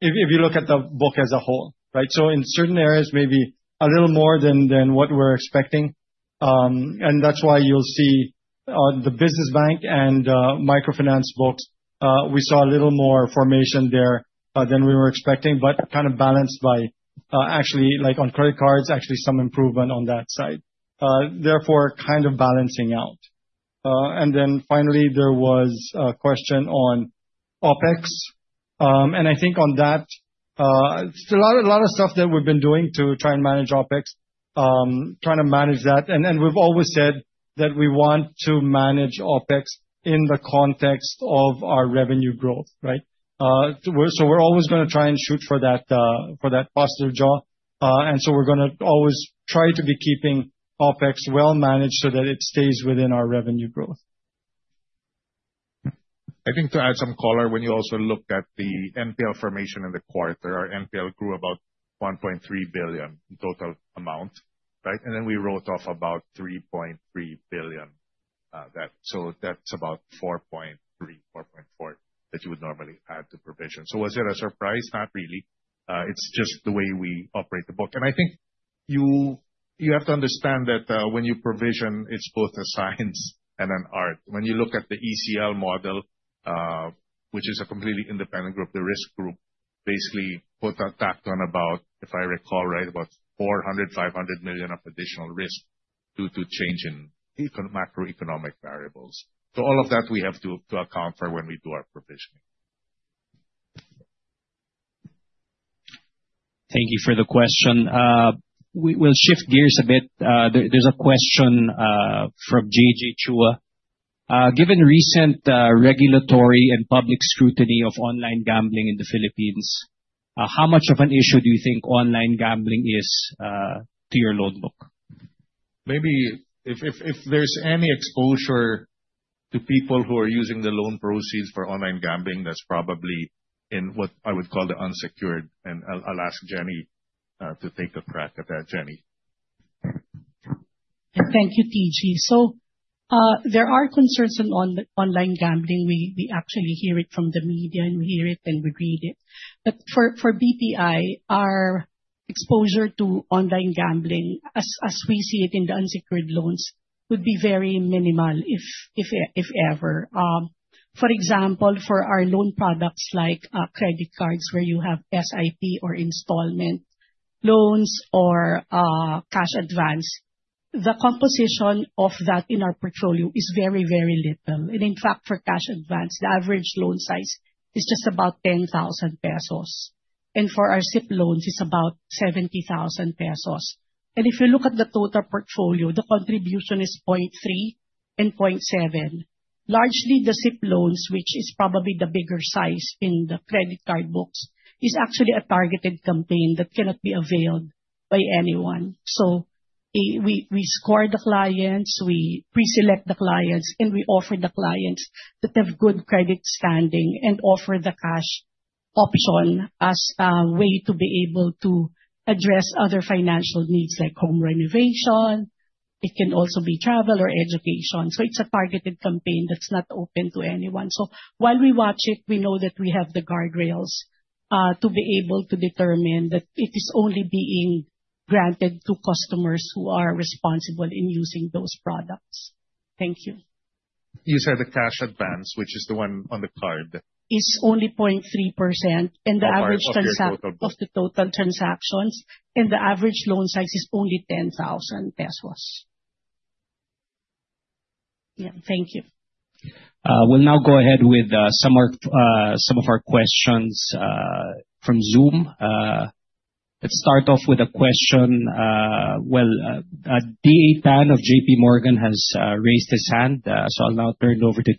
If you look at the book as a whole, right? In certain areas, maybe a little more than what we're expecting. That's why you'll see the business bank and microfinance books. We saw a little more formation there than we were expecting, but kind of balanced by actually on credit cards, actually some improvement on that side. Therefore, kind of balancing out. Finally, there was a question on OpEx. I think on that, a lot of stuff that we've been doing to try and manage OpEx, trying to manage that. We've always said that we want to manage OpEx in the context of our revenue growth, right? We're always going to try and shoot for that foster job. We're going to always try to be keeping OpEx well managed so that it stays within our revenue growth. I think to add some color, when you also look at the NPL formation in the quarter, our NPL grew about 1.3 billion in total amount, right? We wrote off about 3.3 billion. That's about 4.3 billion, 4.4 billion that you would normally add to provision. Was it a surprise? Not really. It's just the way we operate the book. I think you have to understand that when you provision, it's both a science and an art. When you look at the ECL model, which is a completely independent group, the risk group basically put a tag on about, if I recall right, about 400 million, 500 million of additional risk due to change in macroeconomic variables. All of that we have to account for when we do our provisioning. Thank you for the question. We'll shift gears a bit. There is a question from J.J. Chua. Given recent regulatory and public scrutiny of online gambling in the Philippines, how much of an issue do you think online gambling is to your loan book? Maybe if there is any exposure to people who are using the loan proceeds for online gambling, that is probably in what I would call the unsecured. I will ask Jenny to take a crack at that. Jenny? Thank you, TG. There are concerns on online gambling. We actually hear it from the media, and we hear it, and we read it. For BPI, our exposure to online gambling, as we see it in the unsecured loans, would be very minimal, if ever. For example, for our loan products like credit cards where you have SIP or installment loans or cash advance, the composition of that in our portfolio is very, very little. In fact, for cash advance, the average loan size is just about 10,000 pesos. For our SIP loans, it is about 70,000 pesos. If you look at the total portfolio, the contribution is 0.3% and 0.7%. Largely the SIP loans, which is probably the bigger size in the credit card books, is actually a targeted campaign that cannot be availed by anyone. We score the clients, we pre-select the clients, and we offer the clients that have good credit standing and offer the cash option as a way to be able to address other financial needs like home renovation. It can also be travel or education. It is a targeted campaign that is not open to anyone. While we watch it, we know that we have the guardrails to be able to determine that it is only being granted to customers who are responsible in using those products. Thank you. You said the cash advance, which is the one on the card. Is only 0.3%. Of your total books. Of the total transactions. The average loan size is only PHP 10,000. Yeah. Thank you. Dave Pan of JP Morgan has raised his hand, I'll now turn it over to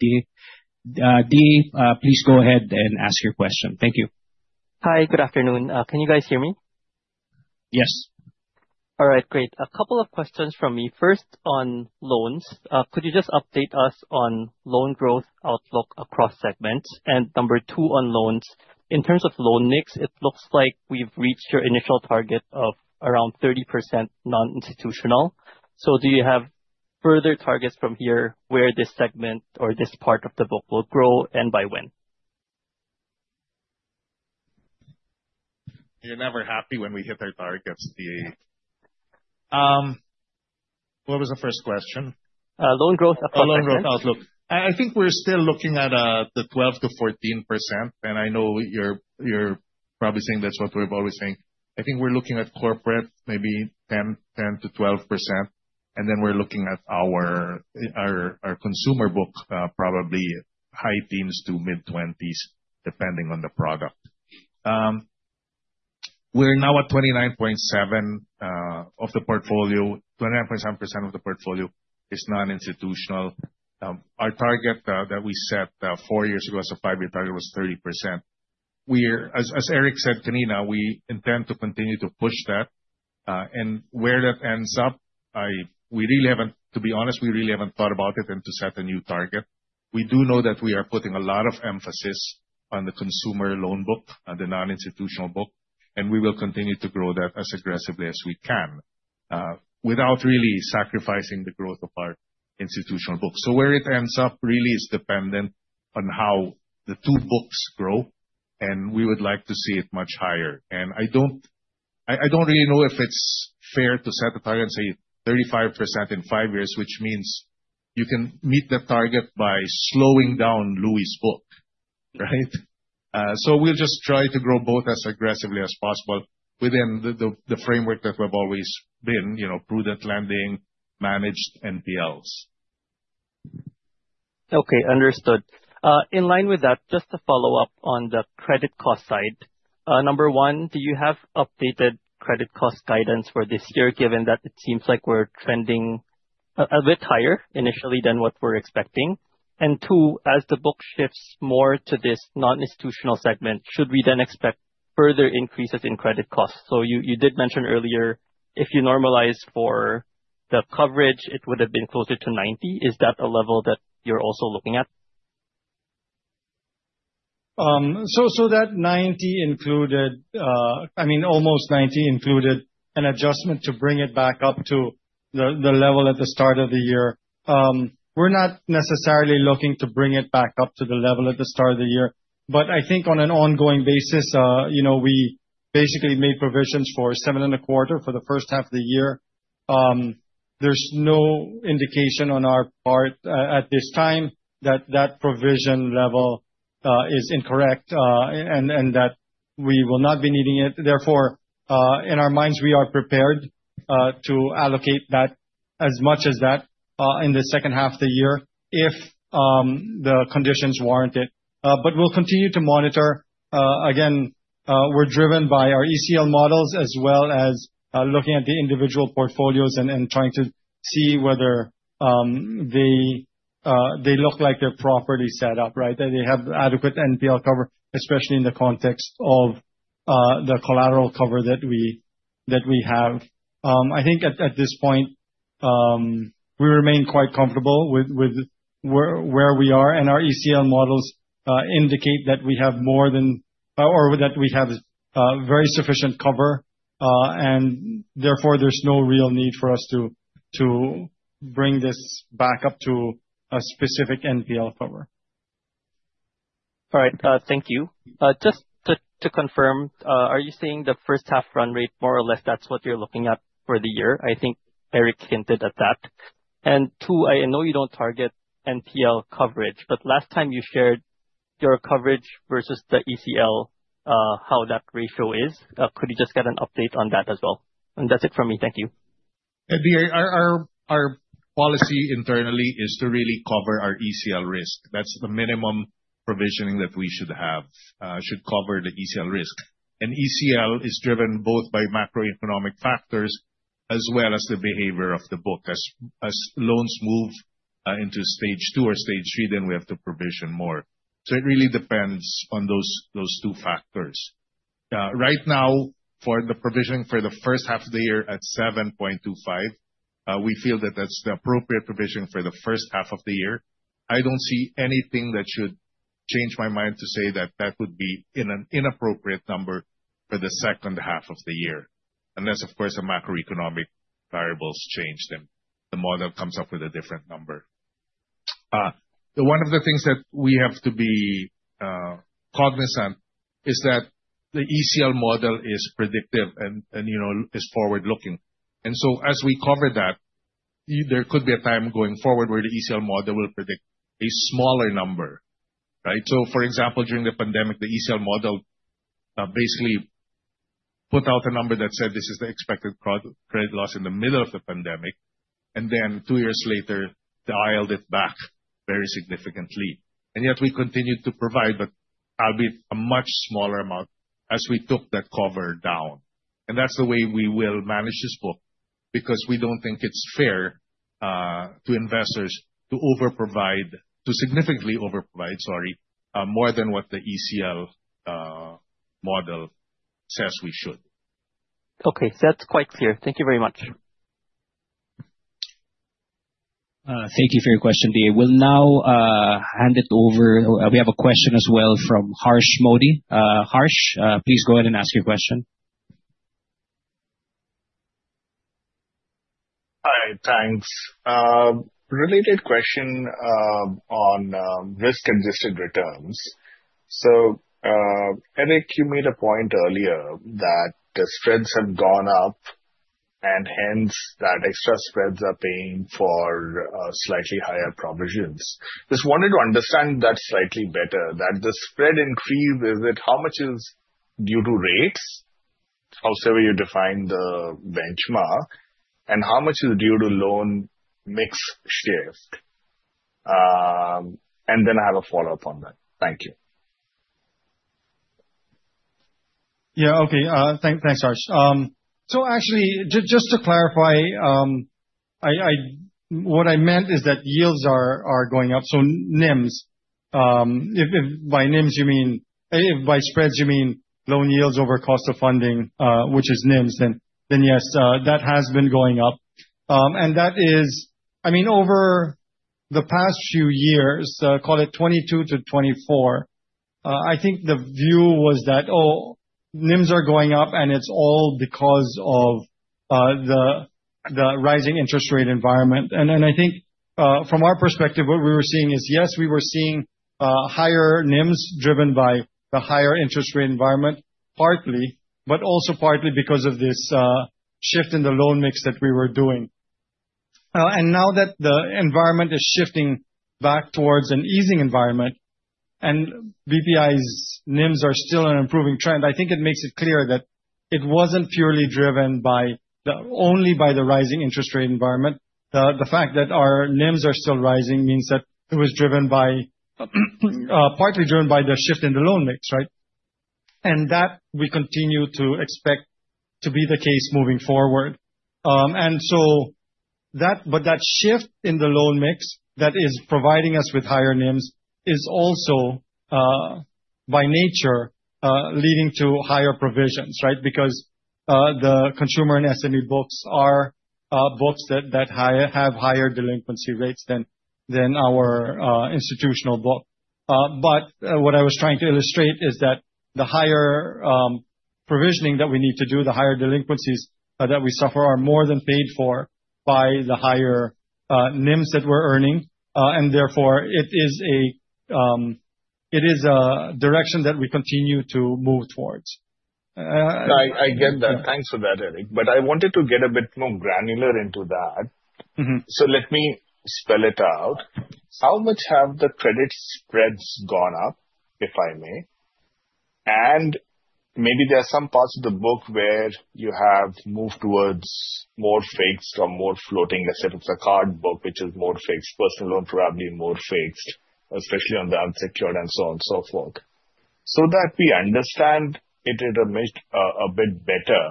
Dave. Dave, please go ahead and ask your question. Thank you. Hi. Good afternoon. Can you guys hear me? Yes. All right, great. A couple of questions from me. First, on loans, could you just update us on loan growth outlook across segments? Number 2 on loans, in terms of loan mix, it looks like we've reached your initial target of around 30% non-institutional. Do you have further targets from here where this segment or this part of the book will grow, and by when? You're never happy when we hit our targets, Dia. What was the first question? Loan growth outlook. Oh, loan growth outlook. I think we're still looking at the 12%-14%, and I know you're probably saying that's what we're always saying. I think we're looking at corporate, maybe 10%-12%, and then we're looking at our consumer book, probably high teens to mid-20s, depending on the product. We're now at 29.7% of the portfolio is non-institutional. Our target that we set four years ago as a five-year target was 30%. As Eric said to me, we intend to continue to push that. Where that ends up, to be honest, we really haven't thought about it and to set a new target. We do know that we are putting a lot of emphasis on the consumer loan book and the non-institutional book, and we will continue to grow that as aggressively as we can without really sacrificing the growth of our institutional book. Where it ends up really is dependent on how the two books grow, we would like to see it much higher. I don't really know if it's fair to set a target and say 35% in five years, which means you can meet the target by slowing down Louie's book, right? We'll just try to grow both as aggressively as possible within the framework that we've always been, prudent lending, managed NPLs. Okay, understood. In line with that, just to follow up on the credit cost side. Number 1, do you have updated credit cost guidance for this year, given that it seems like we're trending a bit higher initially than what we're expecting? Two, as the book shifts more to this non-institutional segment, should we then expect further increases in credit costs? You did mention earlier, if you normalize for the coverage, it would have been closer to 90. Is that a level that you're also looking at? That almost 90 included an adjustment to bring it back up to the level at the start of the year. We're not necessarily looking to bring it back up to the level at the start of the year. I think on an ongoing basis, we basically made provisions for seven and a quarter for the first half of the year. There's no indication on our part, at this time, that that provision level is incorrect, and that we will not be needing it. Therefore, in our minds, we are prepared to allocate as much as that in the second half of the year if the conditions warrant it. We'll continue to monitor. Again, we're driven by our ECL models as well as looking at the individual portfolios and trying to see whether they look like they're properly set up, right? That they have adequate NPL cover, especially in the context of the collateral cover that we have. I think at this point, we remain quite comfortable with where we are, and our ECL models indicate that we have very sufficient cover, and therefore, there's no real need for us to bring this back up to a specific NPL cover. All right. Thank you. Just to confirm, are you saying the first half run rate, more or less, that's what you're looking at for the year? I think Eric hinted at that. 2, I know you don't target NPL coverage, but last time you shared your coverage versus the ECL, how that ratio is. Could we just get an update on that as well? That's it from me. Thank you. Dia, our policy internally is to really cover our ECL risk. That's the minimum provisioning that we should have, should cover the ECL risk. ECL is driven both by macroeconomic factors as well as the behavior of the book. As loans move into stage 2 or stage 3, then we have to provision more. It really depends on those two factors. Right now, for the provisioning for the first half of the year at 7.25, we feel that that's the appropriate provision for the first half of the year. I don't see anything that should change my mind to say that that would be an inappropriate number for the second half of the year. Unless, of course, the macroeconomic variables change, then the model comes up with a different number. One of the things that we have to be cognizant is that the ECL model is predictive and is forward-looking. So as we cover that, there could be a time going forward where the ECL model will predict a smaller number, right? For example, during the pandemic, the ECL model basically put out a number that said this is the expected credit loss in the middle of the pandemic, then two years later, dialed it back very significantly. Yet we continued to provide, but with a much smaller amount as we took that cover down. That's the way we will manage this book, because we don't think it's fair to investors to significantly over provide, sorry, more than what the ECL model says we should. Okay, that's quite clear. Thank you very much. Thank you for your question, Dia. We'll now hand it over. We have a question as well from Harsh Modi. Harsh, please go ahead and ask your question. Hi. Thanks. Related question on risk-adjusted returns. Eric, you made a point earlier that the spreads have gone up and hence that extra spreads are paying for slightly higher provisions. Just wanted to understand that slightly better, that the spread increase, is it how much is due to rates? Also, you defined the benchmark, and how much is due to loan mix shift? Then I have a follow-up on that. Thank you. Yeah. Okay. Thanks, Harsh. Actually, just to clarify, what I meant is that yields are going up. NIMS, if by spreads you mean loan yields over cost of funding, which is NIMS, then yes, that has been going up. Over the past few years, call it 2022 to 2024, I think the view was that, oh, NIMS are going up and it's all because of the rising interest rate environment. I think from our perspective, what we were seeing is, yes, we were seeing higher NIMS driven by the higher interest rate environment partly, but also partly because of this shift in the loan mix that we were doing. Now that the environment is shifting back towards an easing environment and BPI's NIMS are still on an improving trend, I think it makes it clear that it wasn't purely driven only by the rising interest rate environment. The fact that our NIMS are still rising means that it was partly driven by the shift in the loan mix, right? That we continue to expect to be the case moving forward. That shift in the loan mix that is providing us with higher NIMS is also, by nature, leading to higher provisions, right? Because the consumer and SME books are books that have higher delinquency rates than our institutional book. What I was trying to illustrate is that the higher provisioning that we need to do, the higher delinquencies that we suffer are more than paid for by the higher NIMS that we're earning. Therefore, it is a direction that we continue to move towards. No, I get that. Thanks for that, Eric. I wanted to get a bit more granular into that. Let me spell it out. How much have the credit spreads gone up, if I may? Maybe there are some parts of the book where you have moved towards more fixed or more floating. Let's say if it's a card book, which is more fixed, personal loan, probably more fixed, especially on the unsecured and so on and so forth. That we understand it a bit better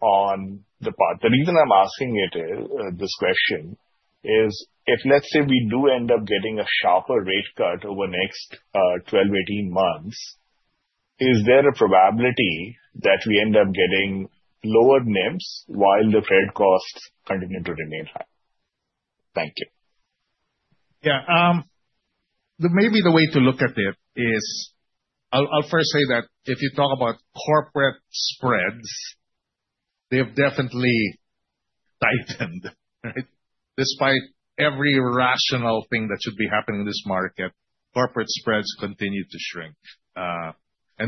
on the part. The reason I'm asking you this question is if, let's say, we do end up getting a sharper rate cut over the next 12, 18 months, is there a probability that we end up getting lower NIMs while the credit costs continue to remain high? Thank you. Maybe the way to look at it is, I'll first say that if you talk about corporate spreads, they have definitely tightened, right? Despite every rational thing that should be happening in this market, corporate spreads continue to shrink.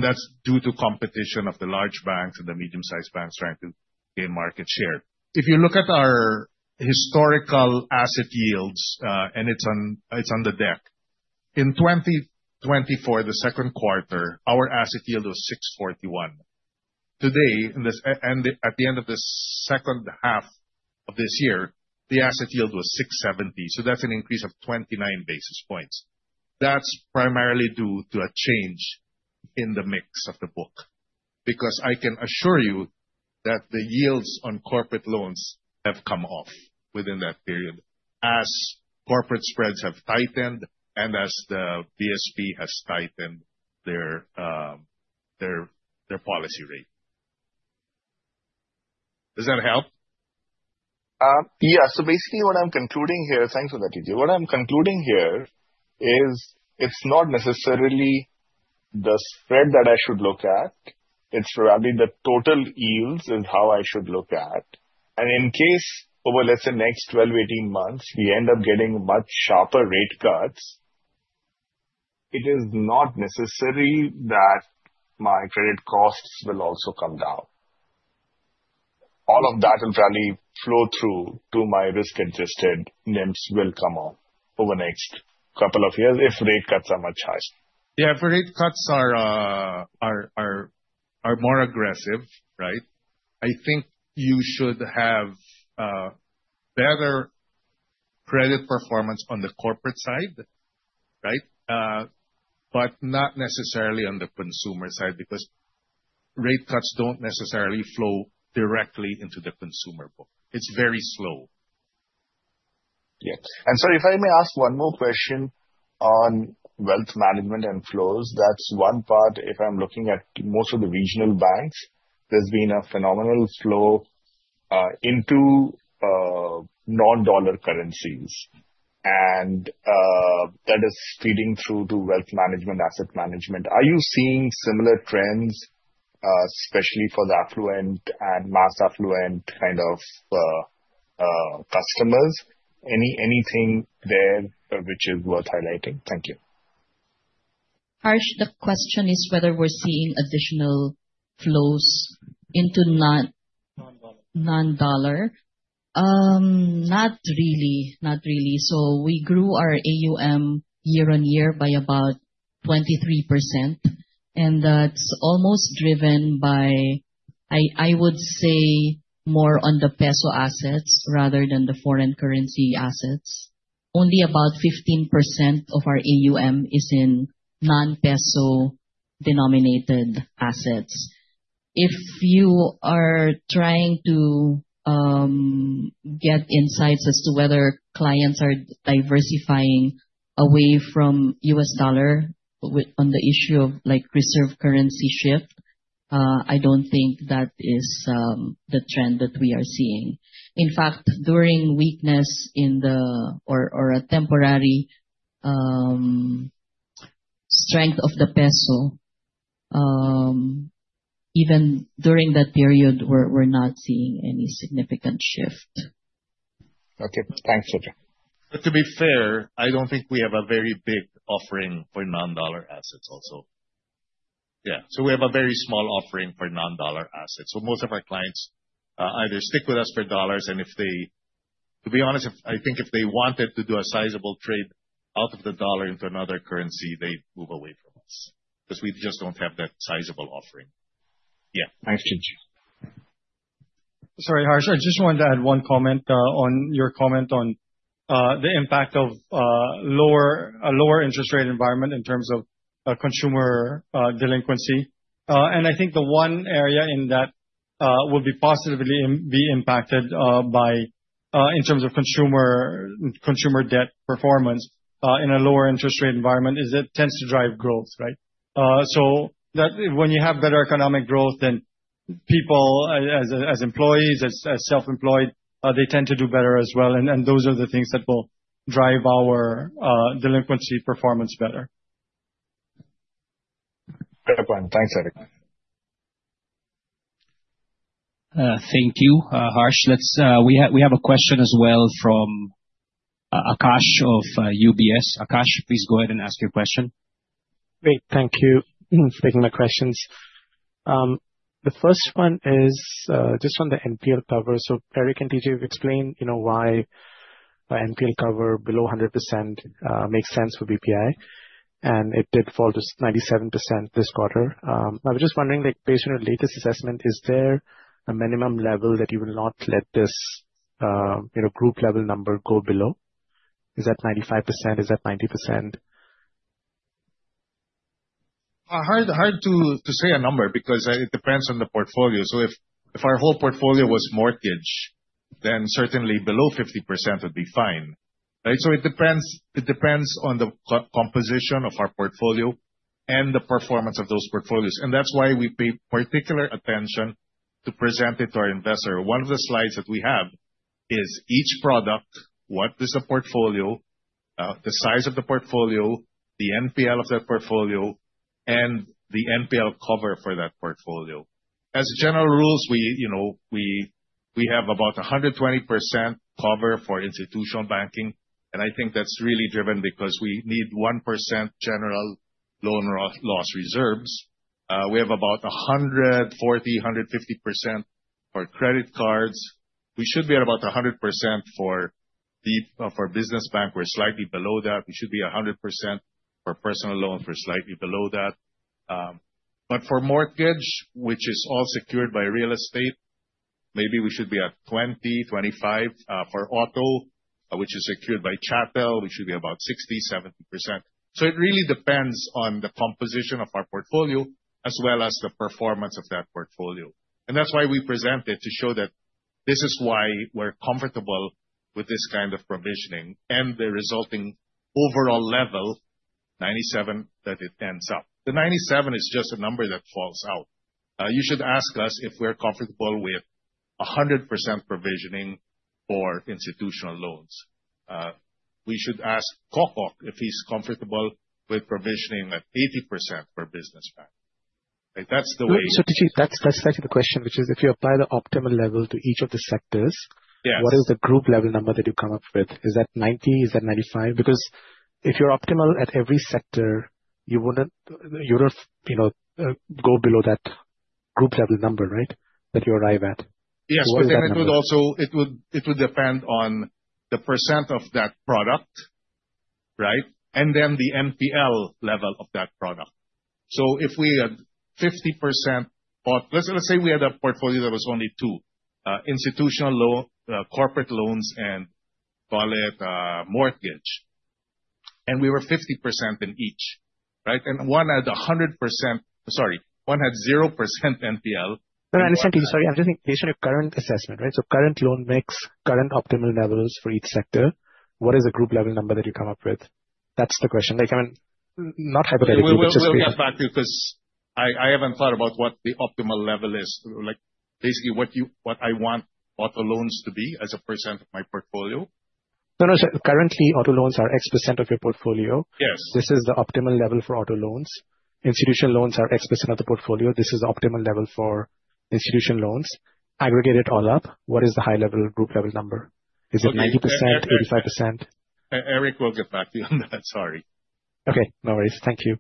That's due to competition of the large banks and the medium-sized banks trying to gain market share. If you look at our historical asset yields, it's under deck. In 2024, the second quarter, our asset yield was 641. Today, at the end of the second half of this year, the asset yield was 670. That's an increase of 29 basis points. That's primarily due to a change in the mix of the book. I can assure you that the yields on corporate loans have come off within that period as corporate spreads have tightened and as the BSP has tightened their policy rate. Does that help? Basically what I'm concluding here, thanks for that, TJ. What I'm concluding here is it's not necessarily the spread that I should look at. It's probably the total yields is how I should look at. In case over, let's say, next 12, 18 months, we end up getting much sharper rate cuts, it is not necessary that my credit costs will also come down. All of that will probably flow through to my risk-adjusted NIMs will come on over the next couple of years if rate cuts are much higher. If rate cuts are more aggressive, right? I think you should have better credit performance on the corporate side, but not necessarily on the consumer side, because rate cuts don't necessarily flow directly into the consumer book. It's very slow. Sorry, if I may ask one more question on wealth management and flows. That's one part, if I'm looking at most of the regional banks, there's been a phenomenal flow into non-dollar currencies. That is feeding through to wealth management, asset management. Are you seeing similar trends, especially for the affluent and mass affluent kind of customers? Anything there which is worth highlighting? Thank you. Harsh, the question is whether we're seeing additional flows into non- Non-dollar non-dollar. Not really. We grew our AUM year-on-year by about 23%, and that's almost driven by, I would say, more on the PHP assets rather than the foreign currency assets. Only about 15% of our AUM is in non-PHP denominated assets. If you are trying to get insights as to whether clients are diversifying away from US dollar on the issue of reserve currency shift, I don't think that is the trend that we are seeing. In fact, during weakness or a temporary strength of the PHP, even during that period, we're not seeing any significant shift. Okay. Thanks, Tita. To be fair, I don't think we have a very big offering for non-dollar assets also. Yeah. We have a very small offering for non-dollar assets. Most of our clients either stick with us for dollars, and to be honest, I think if they wanted to do a sizable trade out of the dollar into another currency, they'd move away from us, because we just don't have that sizable offering. Yeah. Thanks, Titie. Sorry, Harsh. I just wanted to add one comment on your comment on the impact of a lower interest rate environment in terms of consumer delinquency. I think the one area in that will be positively be impacted in terms of consumer debt performance in a lower interest rate environment, is it tends to drive growth, right? When you have better economic growth, then people as employees, as self-employed, they tend to do better as well, and those are the things that will drive our delinquency performance better. Fair point. Thanks, Eric. Thank you, Harsh. We have a question as well from Akash of UBS. Akash, please go ahead and ask your question. Great. Thank you for taking my questions. The first one is just on the NPL cover. Eric and Titie explained why NPL cover below 100% makes sense for BPI, and it did fall to 97% this quarter. I was just wondering, based on your latest assessment, is there a minimum level that you will not let this group level number go below? Is that 95%? Is that 90%? Hard to say a number, because it depends on the portfolio. If our whole portfolio was mortgage, then certainly below 50% would be fine, right? It depends on the composition of our portfolio and the performance of those portfolios, and that's why we pay particular attention to present it to our investor. One of the slides that we have is each product, what is the portfolio, the size of the portfolio, the NPL of that portfolio, and the NPL cover for that portfolio. As general rules, we have about 120% cover for institutional banking, and I think that's really driven because we need 1% general loan loss reserves. We have about 140, 150% for credit cards. We should be at about 100% for Business Bank. We're slightly below that. We should be 100% for personal loan. We're slightly below that. For mortgage, which is all secured by real estate, maybe we should be at 20%-25%. For auto, which is secured by chattel, we should be about 60%-70%. It really depends on the composition of our portfolio as well as the performance of that portfolio. That's why we present it to show that this is why we're comfortable with this kind of provisioning and the resulting overall level, 97%, that it ends up. The 97% is just a number that falls out. You should ask us if we're comfortable with 100% provisioning for institutional loans. We should ask Kokok if he's comfortable with provisioning at 80% for Business Bank. That's the way. Titie, that's actually the question, which is if you apply the optimal level to each of the sectors. Yes What is the group level number that you come up with? Is that 90%? Is that 95%? Because if you're optimal at every sector, you wouldn't go below that group level number, right? That you arrive at. Yes. What is that number? It would depend on the % of that product. Right? Then the NPL level of that product. If we have 50% or let's say we had a portfolio that was only two, institutional corporate loans and call it mortgage. We were 50% in each, right? One had 100%, sorry, one had 0% NPL. No, I understand. Sorry, I'm just thinking based on your current assessment, right? Current loan mix, current optimal levels for each sector, what is the group level number that you come up with? That's the question. Not hypothetical, but just. We'll get back to you because I haven't thought about what the optimal level is. Basically, what I want auto loans to be as a % of my portfolio. No, no. Currently, auto loans are X% of your portfolio. Yes. This is the optimal level for auto loans. Institutional loans are X% of the portfolio. This is the optimal level for institutional loans. Aggregate it all up, what is the high group level number? Is it 90%, 85%? Eric will get back to you on that. Sorry. Okay, no worries. Thank you.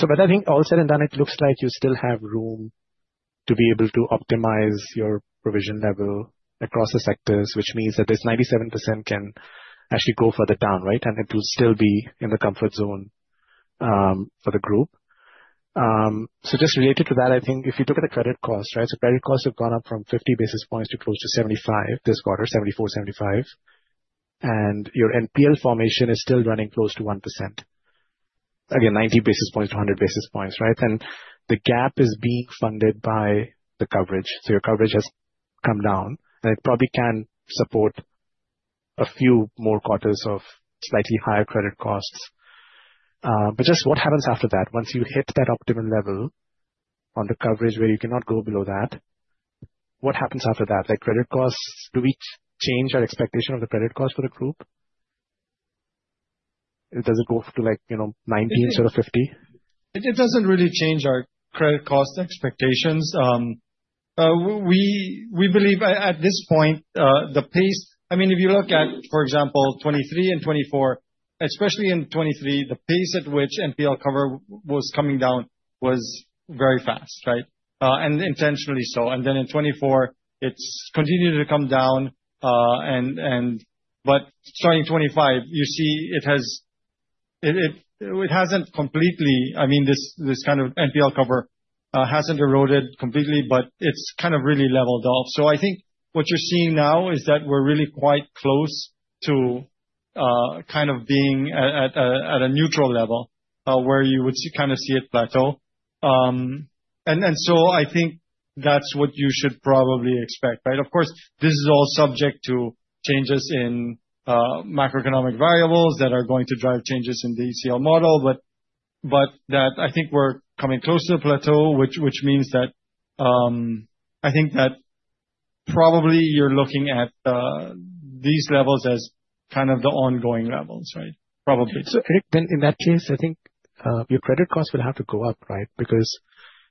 But I think all said and done, it looks like you still have room to be able to optimize your provision level across the sectors, which means that this 97% can actually go further down, right? It will still be in the comfort zone for the group. Just related to that, I think if you look at the credit cost, right? Credit costs have gone up from 50 basis points to close to 75 this quarter, 74, 75. Your NPL formation is still running close to 1%. Again, 90 basis points to 100 basis points, right? The gap is being funded by the coverage. Your coverage has come down, and it probably can support a few more quarters of slightly higher credit costs. Just what happens after that? Once you hit that optimum level on the coverage where you cannot go below that, what happens after that? Like credit costs, do we change our expectation of the credit cost for the group? Does it go to 90 instead of 50? It doesn't really change our credit cost expectations. We believe at this point, If you look at, for example, 2023 and 2024, especially in 2023, the pace at which NPL cover was coming down was very fast, right? Intentionally so. Then in 2024, it's continued to come down, but starting 2025, you see it hasn't completely, this kind of NPL cover hasn't eroded completely, but it's really leveled off. I think what you're seeing now is that we're really quite close to being at a neutral level, where you would see it plateau. I think that's what you should probably expect, right? Of course, this is all subject to changes in macroeconomic variables that are going to drive changes in the ECL model, that I think we're coming close to the plateau, which means that, I think that probably you're looking at these levels as kind of the ongoing levels, right? Probably. Eric, then in that case, I think your credit costs will have to go up, right? Because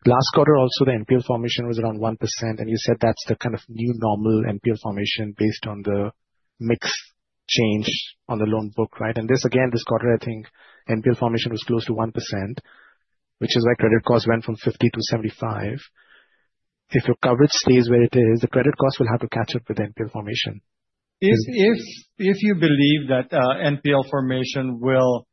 last quarter also, the NPL formation was around 1%, and you said that's the kind of new normal NPL formation based on the mix change on the loan book, right? This again, this quarter, I think NPL formation was close to 1%, which is why credit cost went from 50 to 75. If your coverage stays where it is, the credit cost will have to catch up with NPL formation. If you believe that NPL formation will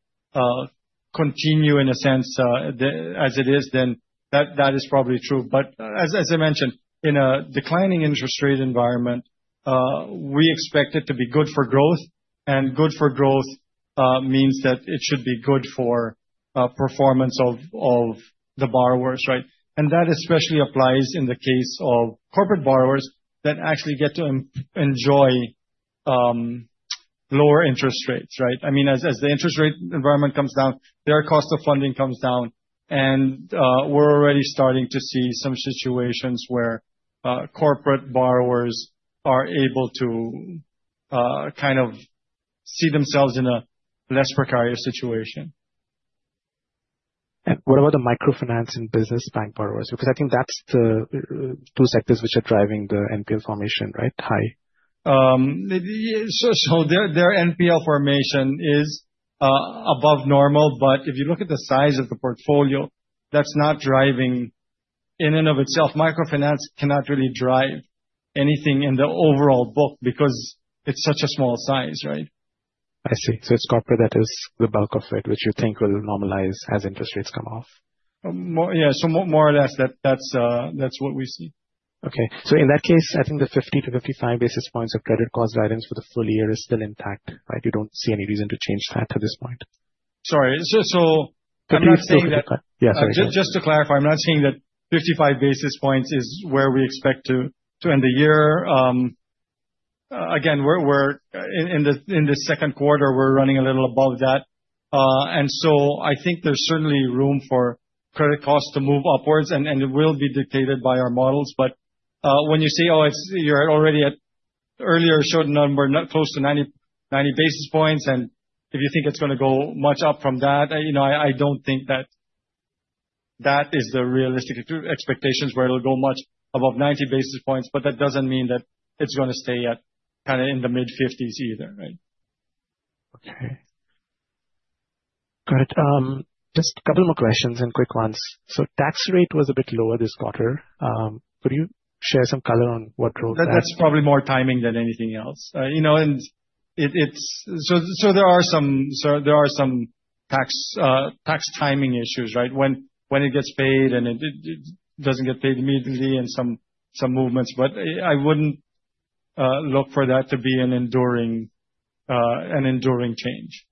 continue in a sense as it is, then that is probably true. As I mentioned, in a declining interest rate environment, we expect it to be good for growth, and good for growth means that it should be good for performance of the borrowers, right? That especially applies in the case of corporate borrowers that actually get to enjoy lower interest rates, right? As the interest rate environment comes down, their cost of funding comes down, and we're already starting to see some situations where corporate borrowers are able to kind of see themselves in a less precarious situation. What about the microfinance and business bank borrowers? Because I think that's the two sectors which are driving the NPL formation, right? High. Their NPL formation is above normal. If you look at the size of the portfolio, that's not driving in and of itself. Microfinance cannot really drive anything in the overall book because it's such a small size, right? I see. It's corporate that is the bulk of it, which you think will normalize as interest rates come off. Yeah. more or less, that's what we see. Okay. in that case, I think the 50-55 basis points of credit cost guidance for the full year is still intact, right? You don't see any reason to change that at this point. Sorry. I'm not saying that. Yeah. Sorry. Just to clarify, I'm not saying that 55 basis points is where we expect to end the year. Again, in the second quarter, we're running a little above that. I think there's certainly room for credit costs to move upwards, and it will be dictated by our models. When you say, "Oh, you're already at earlier showed number close to 90 basis points," and if you think it's going to go much up from that, I don't think that is the realistic expectations where it'll go much above 90 basis points, but that doesn't mean that it's going to stay at kind of in the mid-50s either, right? Okay. Great. Just a couple more questions and quick ones. Tax rate was a bit lower this quarter. Could you share some color on what drove that? That's probably more timing than anything else. There are some tax timing issues, right? When it gets paid, and it doesn't get paid immediately and some movements. I wouldn't look for that to be an enduring change.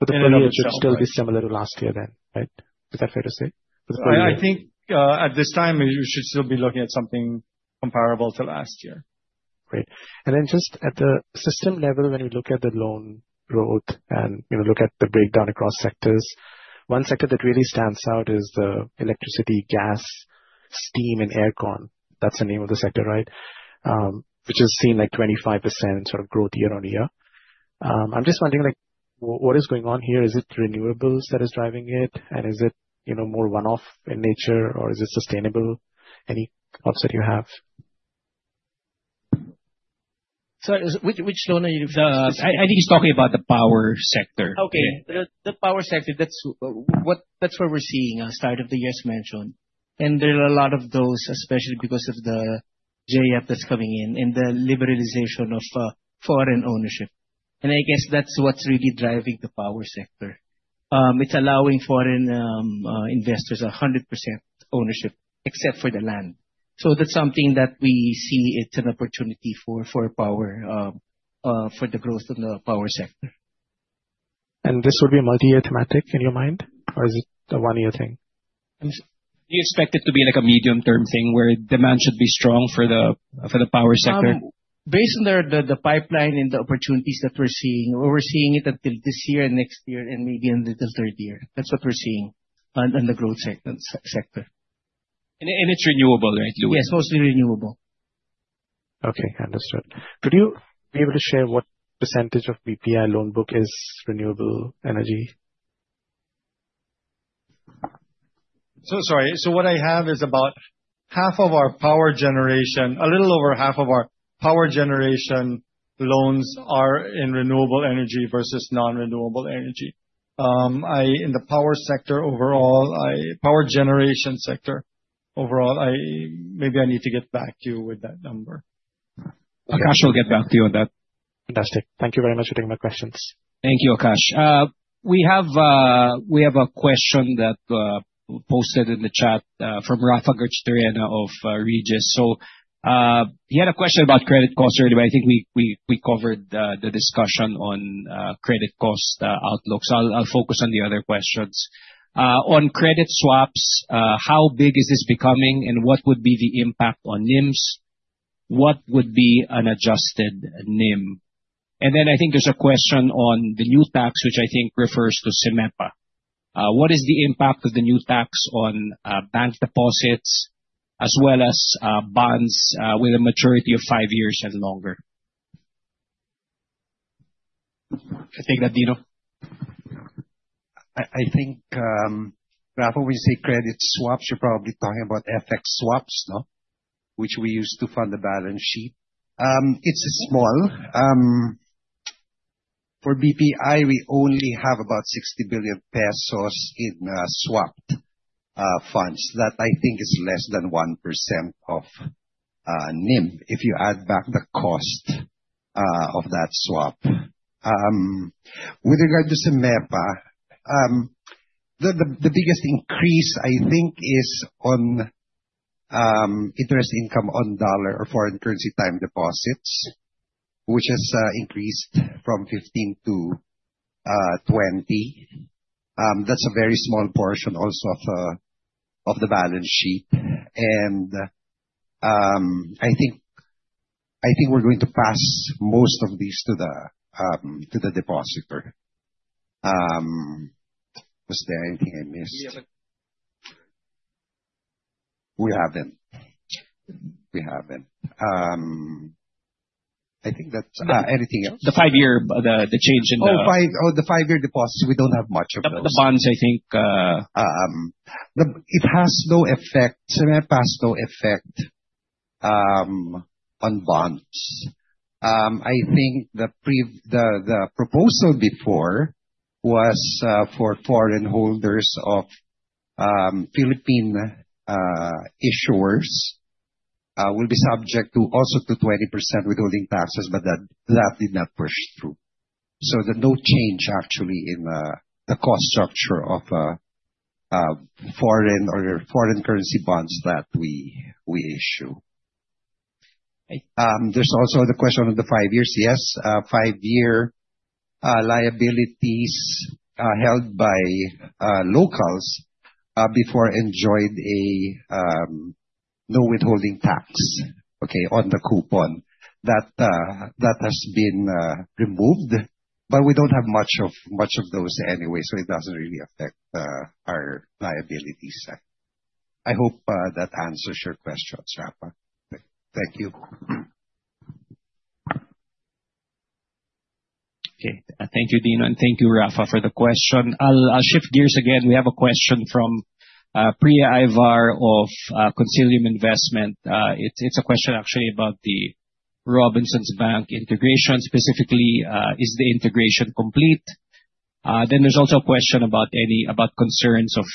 The full year should still be similar to last year then, right? Is that fair to say? For the full year. I think, at this time, you should still be looking at something comparable to last year. Great. Then just at the system level, when we look at the loan growth and look at the breakdown across sectors, one sector that really stands out is the electricity, gas, steam, and air con. That's the name of the sector, right? Which has seen like 25% sort of growth year-on-year. I'm just wondering, what is going on here? Is it renewables that is driving it, and is it more one-off in nature or is it sustainable? Any thoughts that you have? Sorry, which loan are you referring to specifically? I think he's talking about the power sector. Okay. The power sector, that's where we're seeing a start of the year as mentioned. There are a lot of those, especially because of the JF that's coming in, and the liberalization of foreign ownership. I guess that's what's really driving the power sector. It's allowing foreign investors 100% ownership, except for the land. That's something that we see it's an opportunity for the growth of the power sector. This would be a multi-year thematic in your mind? Or is it a one-year thing? We expect it to be like a medium-term thing, where demand should be strong for the power sector. Based on the pipeline and the opportunities that we're seeing, we're seeing it until this year and next year and maybe into the third year. That's what we're seeing on the growth sector. It's renewable, right? Yes, mostly renewable. Okay, understood. Could you be able to share what % of BPI loan book is renewable energy? Sorry. What I have is about a little over half of our power generation loans are in renewable energy versus non-renewable energy. In the power generation sector overall, maybe I need to get back to you with that number. Akash will get back to you on that. Fantastic. Thank you very much for taking my questions. Thank you, Akash. We have a question that posted in the chat, from Rafa Garchitorena of Regis. He had a question about credit costs already, but I think we covered the discussion on credit cost outlook. I'll focus on the other questions. On credit swaps, how big is this becoming and what would be the impact on NIMs? What would be an adjusted NIM? Then I think there's a question on the new tax, which I think refers to CEMPA. What is the impact of the new tax on bank deposits as well as bonds with a maturity of five years and longer? What do you think, Dino? I think, Rafa, when you say credit swaps, you're probably talking about FX swaps, no? Which we use to fund the balance sheet. It's small. For BPI, we only have about 60 billion pesos in swapped funds. That I think is less than 1% of NIM if you add back the cost of that swap. With regard to CEMPA, the biggest increase I think is on interest income on dollar or foreign currency time deposits, which has increased from 15%-20%. That's a very small portion also of the balance sheet. I think we're going to pass most of these to the depositor. Was there anything I missed? We haven't. I think that's anything else. The five-year, the change in the Oh, the five-year deposits, we don't have much of those. The bonds, I think. It has no effect. CEMPA has no effect on bonds. I think the proposal before was for foreign holders of Philippine issuers will be subject also to 20% withholding taxes, but that did not push through. There's no change actually in the cost structure of foreign or foreign currency bonds that we issue. Right. There's also the question of the 5 years. Yes, 5-year liabilities held by locals before enjoyed a no withholding tax, okay, on the coupon. That has been removed, but we don't have much of those anyway, so it doesn't really affect our liabilities. I hope that answers your questions, Rafa. Thank you. Okay. Thank you, Dino, and thank you, Rafa, for the question. I'll shift gears again. We have a question from Priya Iyer of Consilium Investment. It's a question actually about the Robinsons Bank integration. Specifically, is the integration complete? There's also a question about concerns of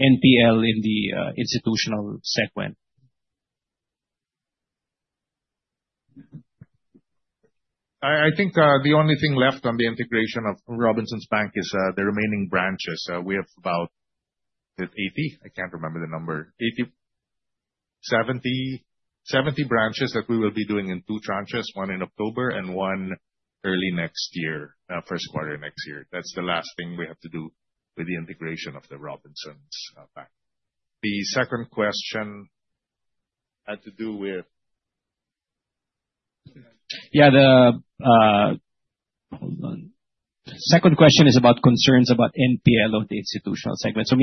NPL in the institutional segment. I think the only thing left on the integration of Robinsons Bank is the remaining branches. We have about 80. I can't remember the number. 70 branches that we will be doing in two tranches, one in October and one early next year, first quarter next year. That's the last thing we have to do with the integration of the Robinsons Bank. The second question had to do with Yeah. Hold on. Second question is about concerns about NPL of the institutional segment. Oh.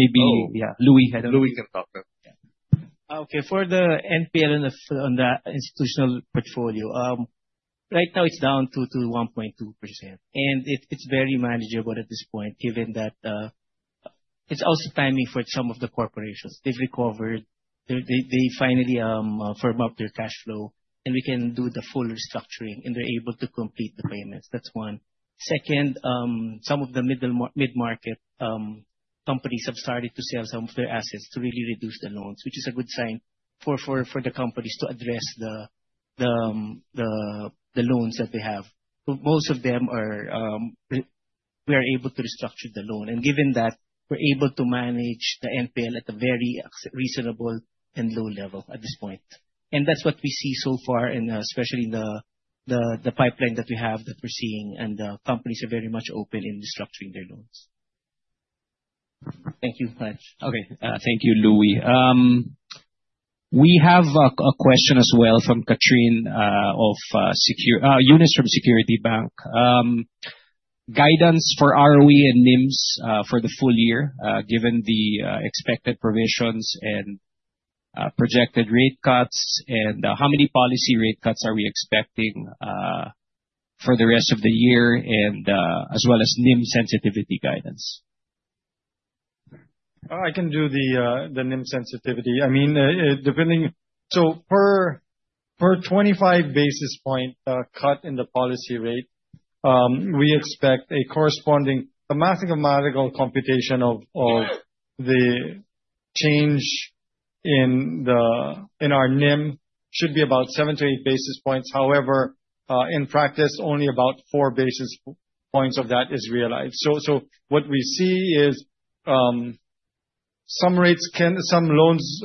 Yeah, Louie had. Louie can talk. Yeah. Okay. For the NPL on the institutional portfolio. Right now it's down to 1.2%, and it's very manageable at this point, given that it's also timing for some of the corporations. They've recovered. They finally firm up their cash flow, and we can do the full restructuring, and they're able to complete the payments. That's one. Second, some of the mid-market companies have started to sell some of their assets to really reduce the loans, which is a good sign for the companies to address the loans that they have. Most of them we are able to restructure the loan, and given that we're able to manage the NPL at a very reasonable and low level at this point. That's what we see so far, and especially the pipeline that we have that we're seeing, and companies are very much open in restructuring their loans. Thank you much. Okay. Thank you, Louie. We have a question as well from Eunice from Security Bank. Guidance for ROE and NIMs for the full year, given the expected provisions and projected rate cuts, and how many policy rate cuts are we expecting for the rest of the year and as well as NIM sensitivity guidance? I can do the NIM sensitivity. Per 25 basis point cut in the policy rate, we expect a corresponding mathematical computation of the change in our NIM should be about seven to eight basis points. However, in practice, only about four basis points of that is realized. What we see is some loans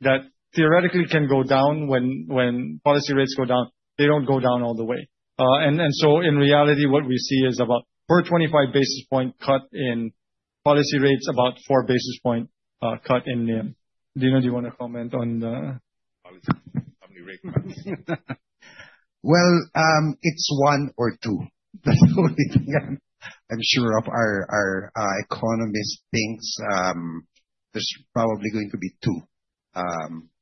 that theoretically can go down when policy rates go down, they don't go down all the way. In reality, what we see is about per 25 basis point cut in policy rates, about four basis point cut in NIM. Dino, do you want to comment on the policy? How many rate cuts? It's one or two. That's all I'm sure of. Our economist thinks there's probably going to be two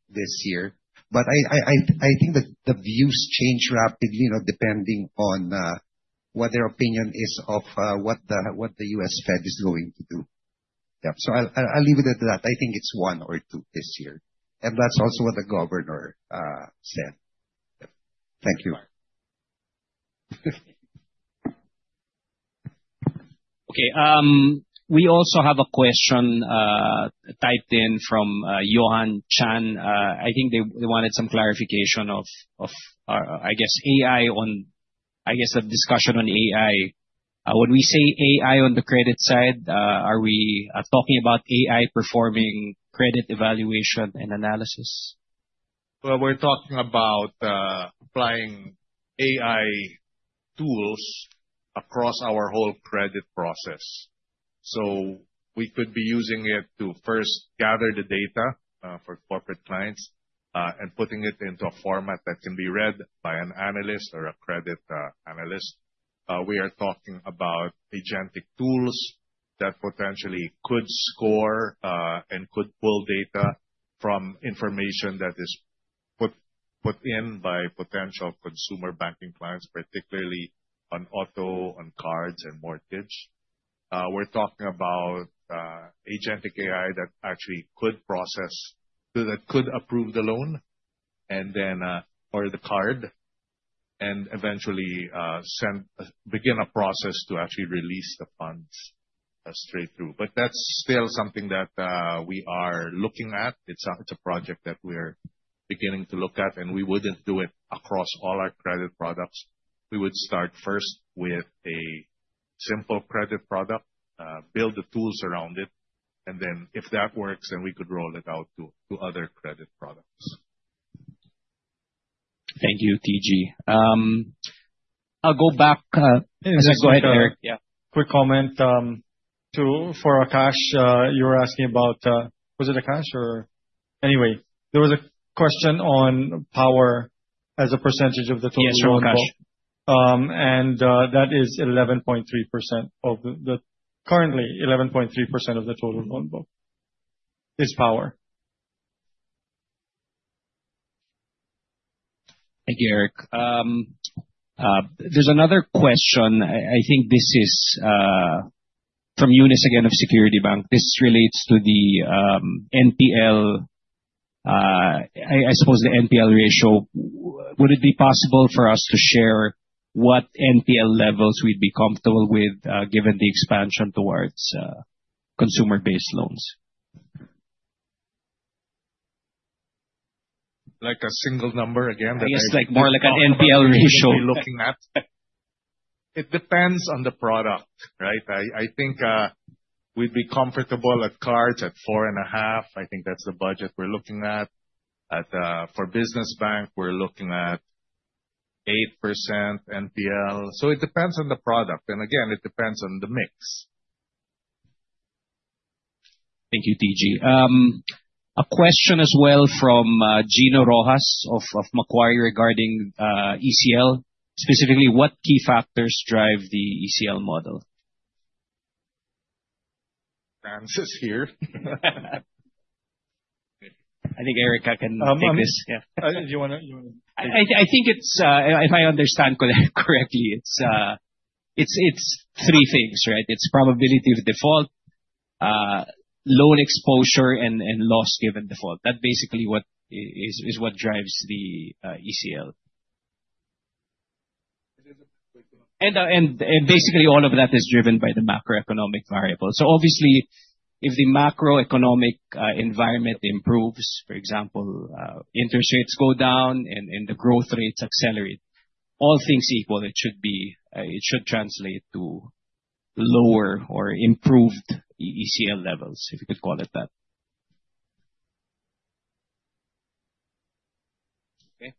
this year. I think that the views change rapidly, depending on what their opinion is of what the U.S. Fed is going to do. Yep. I'll leave it at that. I think it's one or two this year, and that's also what the governor said. Thank you. Okay. We also have a question typed in from Johan Chan. I think they wanted some clarification of, I guess, discussion on AI. When we say AI on the credit side, are we talking about AI performing credit evaluation and analysis? We're talking about applying AI tools across our whole credit process. We could be using it to first gather the data for corporate clients, and putting it into a format that can be read by an analyst or a credit analyst. We are talking about agentic tools that potentially could score, and could pull data from information that is put in by potential consumer banking clients, particularly on auto, on cards, and mortgage. We're talking about agentic AI that actually could approve the loan or the card, and eventually begin a process to actually release the funds straight through. That's still something that we are looking at. It's a project that we're beginning to look at, and we wouldn't do it across all our credit products. We would start first with a simple credit product, build the tools around it, and then if that works, then we could roll it out to other credit products. Thank you, TG. I'll go back. Go ahead, Eric. Yeah. Quick comment, too, for Akash. You were asking about, was it Akash or Anyway, there was a question on power as a percentage of the total loan book. Yes. From Akash. That is currently 11.3% of the total loan book. It's power. Thank you, Eric. There's another question. I think this is from Eunice again of Security Bank. This relates to the NPL, I suppose the NPL ratio. Would it be possible for us to share what NPL levels we'd be comfortable with given the expansion towards consumer-based loans? Like a single number, again, that I can talk about. I guess more like an NPL ratio. that we're looking at? It depends on the product, right? I think we'd be comfortable at cards at four and a half. I think that's the budget we're looking at. For business bank, we're looking at 8% NPL. It depends on the product. Again, it depends on the mix. Thank you, TG. A question as well from Gino Rojas of Macquarie regarding ECL. Specifically, what key factors drive the ECL model? Francis, here. I think, Eric, I can take this. Do you want to take it? If I understand correctly, it's three things, right? It's probability of default, loan exposure, and loss given default. That basically is what drives the ECL. Is there a quick one? Basically, all of that is driven by the macroeconomic variables. Obviously, if the macroeconomic environment improves, for example, interest rates go down and the growth rates accelerate. All things equal, it should translate to lower or improved ECL levels, if you could call it that. Okay.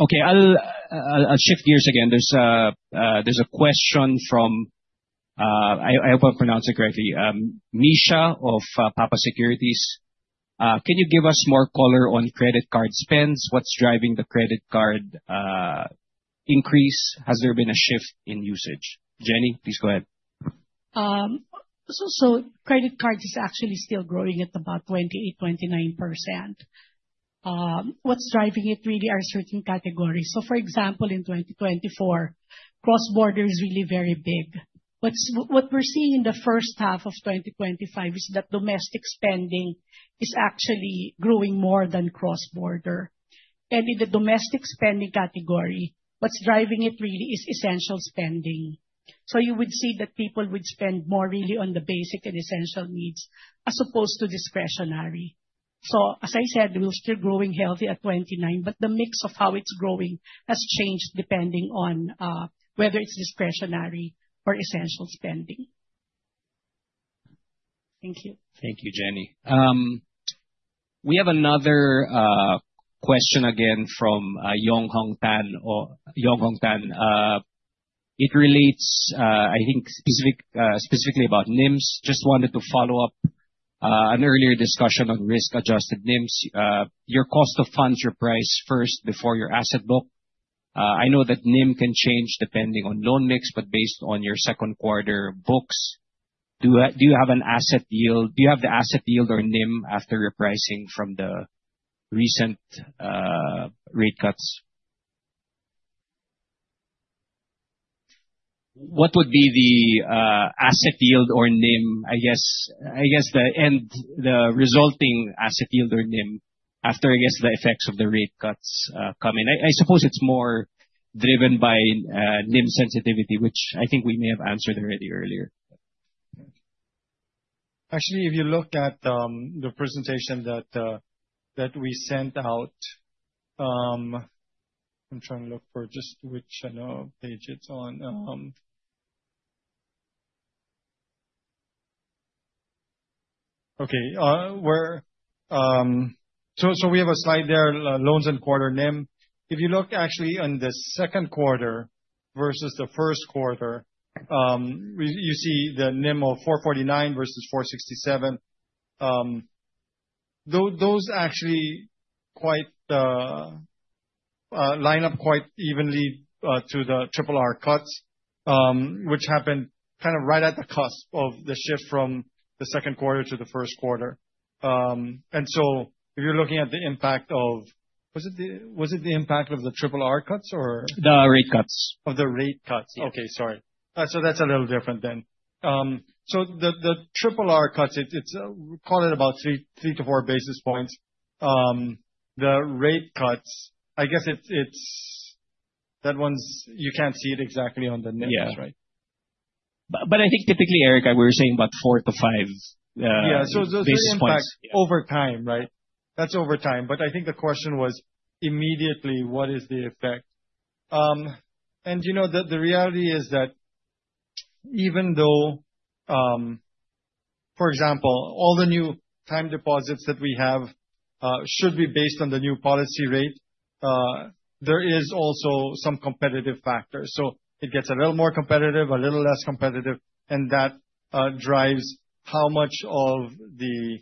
Okay. I'll shift gears again. There's a question from, I hope I pronounce it correctly, Nisha of PAPA Securities. Can you give us more color on credit card spends? What's driving the credit card increase? Has there been a shift in usage? Jenny, please go ahead. Credit cards is actually still growing at about 28%-29%. What's driving it really are certain categories. For example, in 2024, cross-border is really very big. What we're seeing in the first half of 2025 is that domestic spending is actually growing more than cross-border. In the domestic spending category, what's driving it really is essential spending. You would see that people would spend more really on the basic and essential needs as opposed to discretionary. As I said, we're still growing healthy at 29%, but the mix of how it's growing has changed depending on whether it's discretionary or essential spending. Thank you. Thank you, Jenny. We have another question again from Tan Yong Hong. It relates, I think specifically about NIMs. Just wanted to follow up an earlier discussion on risk-adjusted NIMs. Your cost of funds, your price first before your asset book. I know that NIM can change depending on loan mix, but based on your second quarter books, do you have the asset yield or NIM after repricing from the recent rate cuts? What would be the asset yield or NIM, I guess, and the resulting asset yield or NIM after, I guess, the effects of the rate cuts come in? I suppose it's more driven by NIM sensitivity, which I think we may have answered already earlier. Actually, if you look at the presentation that we sent out. I'm trying to look for just which page it's on. Okay. We have a slide there, loans and quarter NIM. If you look actually on the second quarter versus the first quarter, you see the NIM of 4.49% versus 4.67%. Those actually line up quite evenly to the triple R cuts, which happened right at the cusp of the shift from the second quarter to the first quarter. If you're looking at the impact of Was it the impact of the triple R cuts or? The rate cuts. Of the rate cuts. Yeah. Okay. Sorry. That's a little different then. The triple R cuts, we call it about three to four basis points. The rate cuts, I guess that one you can't see it exactly on the NIMs. Yeah right? I think typically, Eric, we were saying about four to five. Yeah. the impact- basis points over time, right? That's over time. I think the question was immediately what is the effect? The reality is that even though, for example, all the new time deposits that we have should be based on the new policy rate, there is also some competitive factors. It gets a little more competitive, a little less competitive, and that drives how much of the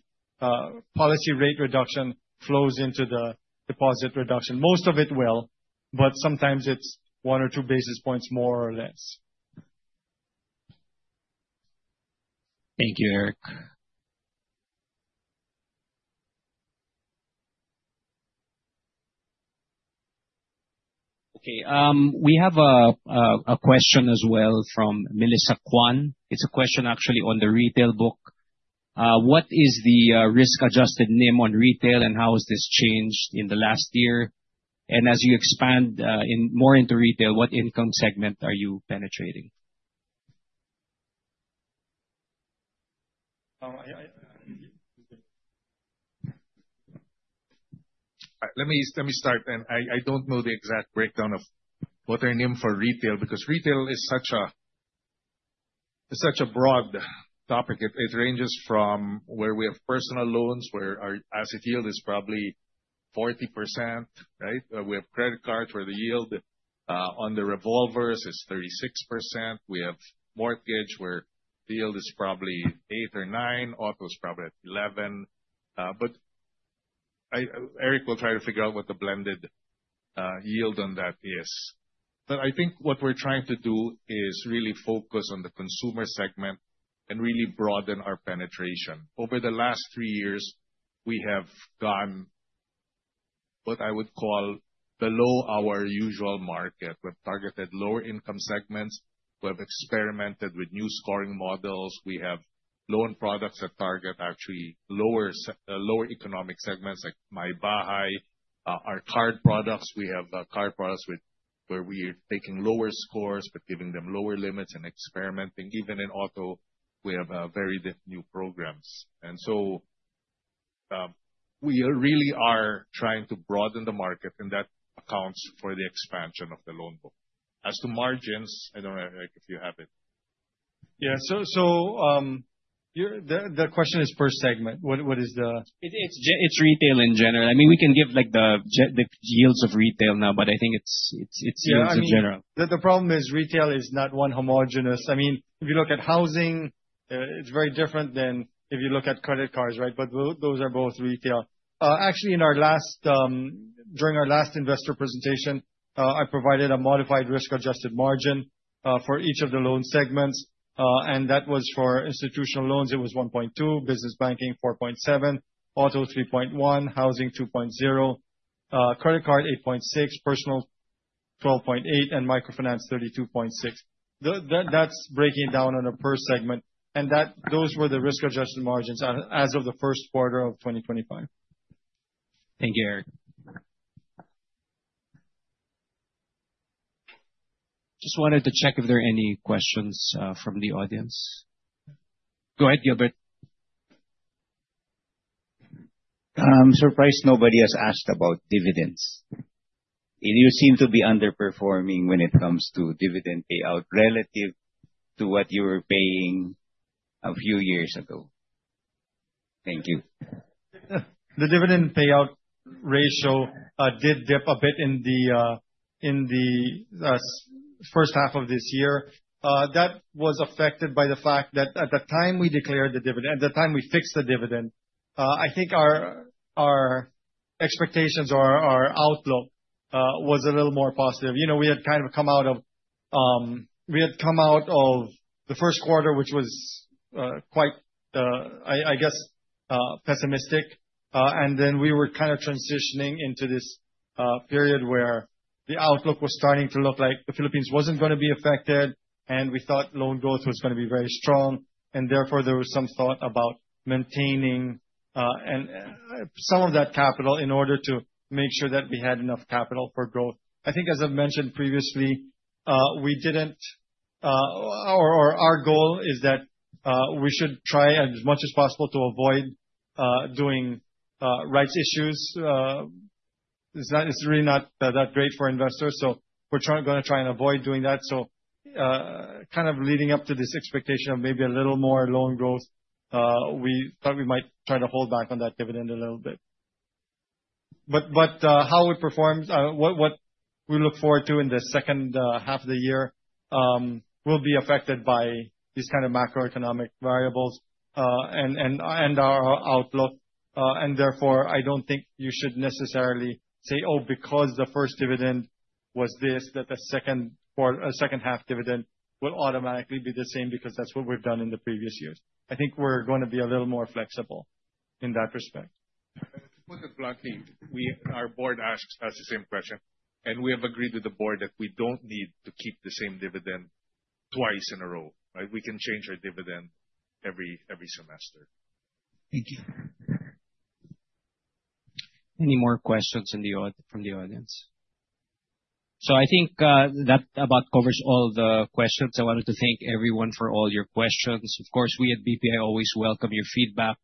policy rate reduction flows into the deposit reduction. Most of it will, but sometimes it's one or two basis points, more or less. Thank you, Eric. Okay. We have a question as well from Melissa Kwan. It's a question actually on the retail book. What is the risk-adjusted NIM on retail, and how has this changed in the last year? As you expand more into retail, what income segment are you penetrating? Let me start. I don't know the exact breakdown of what our NIM for retail, because retail is such a broad topic. It ranges from where we have personal loans, where our asset yield is probably 40%, right? We have credit cards where the yield on the revolvers is 36%. We have mortgage where the yield is probably eight or nine. Auto is probably at 11. Eric will try to figure out what the blended yield on that is. I think what we're trying to do is really focus on the consumer segment and really broaden our penetration. Over the last three years, we have gone what I would call below our usual market. We've targeted lower income segments. We have experimented with new scoring models. We have loan products that target actually lower economic segments like My Bahay. Our card products, we have card products where we are taking lower scores but giving them lower limits and experimenting. Even in auto, we have very new programs. We really are trying to broaden the market, and that accounts for the expansion of the loan book. As to margins, I don't know, Eric, if you have it. Yeah. The question is per segment? What is the- It's retail in general. We can give the yields of retail now, I think it's yields in general. The problem is retail is not one homogeneous. If you look at housing, it's very different than if you look at credit cards, right? But those are both retail. Actually, during our last investor presentation, I provided a modified risk-adjusted margin for each of the loan segments. That was for institutional loans, it was 1.2, business banking, 4.7, auto, 3.1, housing, 2.0, credit card, 8.6, personal, 12.8, and microfinance, 32.6. That's breaking it down on a per segment, and those were the risk-adjusted margins as of the first quarter of 2025. Thank you, Eric. Just wanted to check if there are any questions from the audience. Go ahead, Gilbert. I'm surprised nobody has asked about dividends. You seem to be underperforming when it comes to dividend payout relative to what you were paying a few years ago. Thank you. The dividend payout ratio did dip a bit in the first half of this year. That was affected by the fact that at the time we fixed the dividend, I think our expectations or our outlook was a little more positive. We had come out of the first quarter, which was quite, I guess, pessimistic. Then we were kind of transitioning into this period where the outlook was starting to look like the Philippines wasn't going to be affected, and we thought loan growth was going to be very strong. Therefore, there was some thought about maintaining some of that capital in order to make sure that we had enough capital for growth. I think as I've mentioned previously, our goal is that we should try as much as possible to avoid doing rights issues. It's really not that great for investors, we're going to try and avoid doing that. Leading up to this expectation of maybe a little more loan growth, we thought we might try to hold back on that dividend a little bit. How we perform, what we look forward to in the second half of the year, will be affected by these kind of macroeconomic variables and our outlook. Therefore, I don't think you should necessarily say, oh, because the first dividend was this, that the second half dividend will automatically be the same because that's what we've done in the previous years. I think we're going to be a little more flexible in that respect. To put it bluntly, our board asks us the same question, we have agreed with the board that we don't need to keep the same dividend twice in a row. We can change our dividend every semester. Thank you. Any more questions from the audience? I think that about covers all the questions. I wanted to thank everyone for all your questions. Of course, we at BPI always welcome your feedback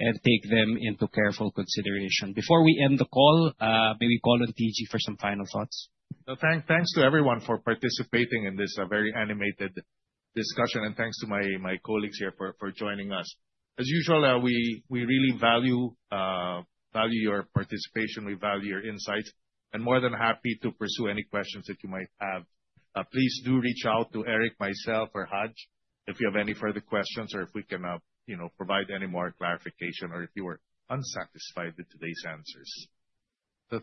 and take them into careful consideration. Before we end the call, may we call on TG for some final thoughts? Thanks to everyone for participating in this very animated discussion, and thanks to my colleagues here for joining us. As usual, we really value your participation, we value your insights, and more than happy to pursue any questions that you might have. Please do reach out to Eric, myself, or Haj if you have any further questions or if we can provide any more clarification or if you are unsatisfied with today's answers.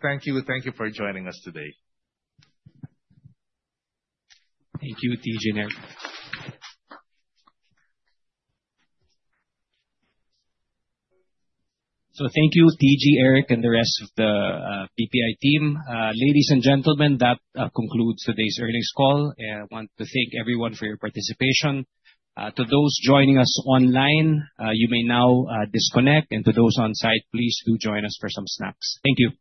Thank you. Thank you for joining us today. Thank you, TG and Eric. Thank you, TG, Eric, and the rest of the BPI team. Ladies and gentlemen, that concludes today's earnings call. I want to thank everyone for your participation. To those joining us online, you may now disconnect, and to those on-site, please do join us for some snacks. Thank you.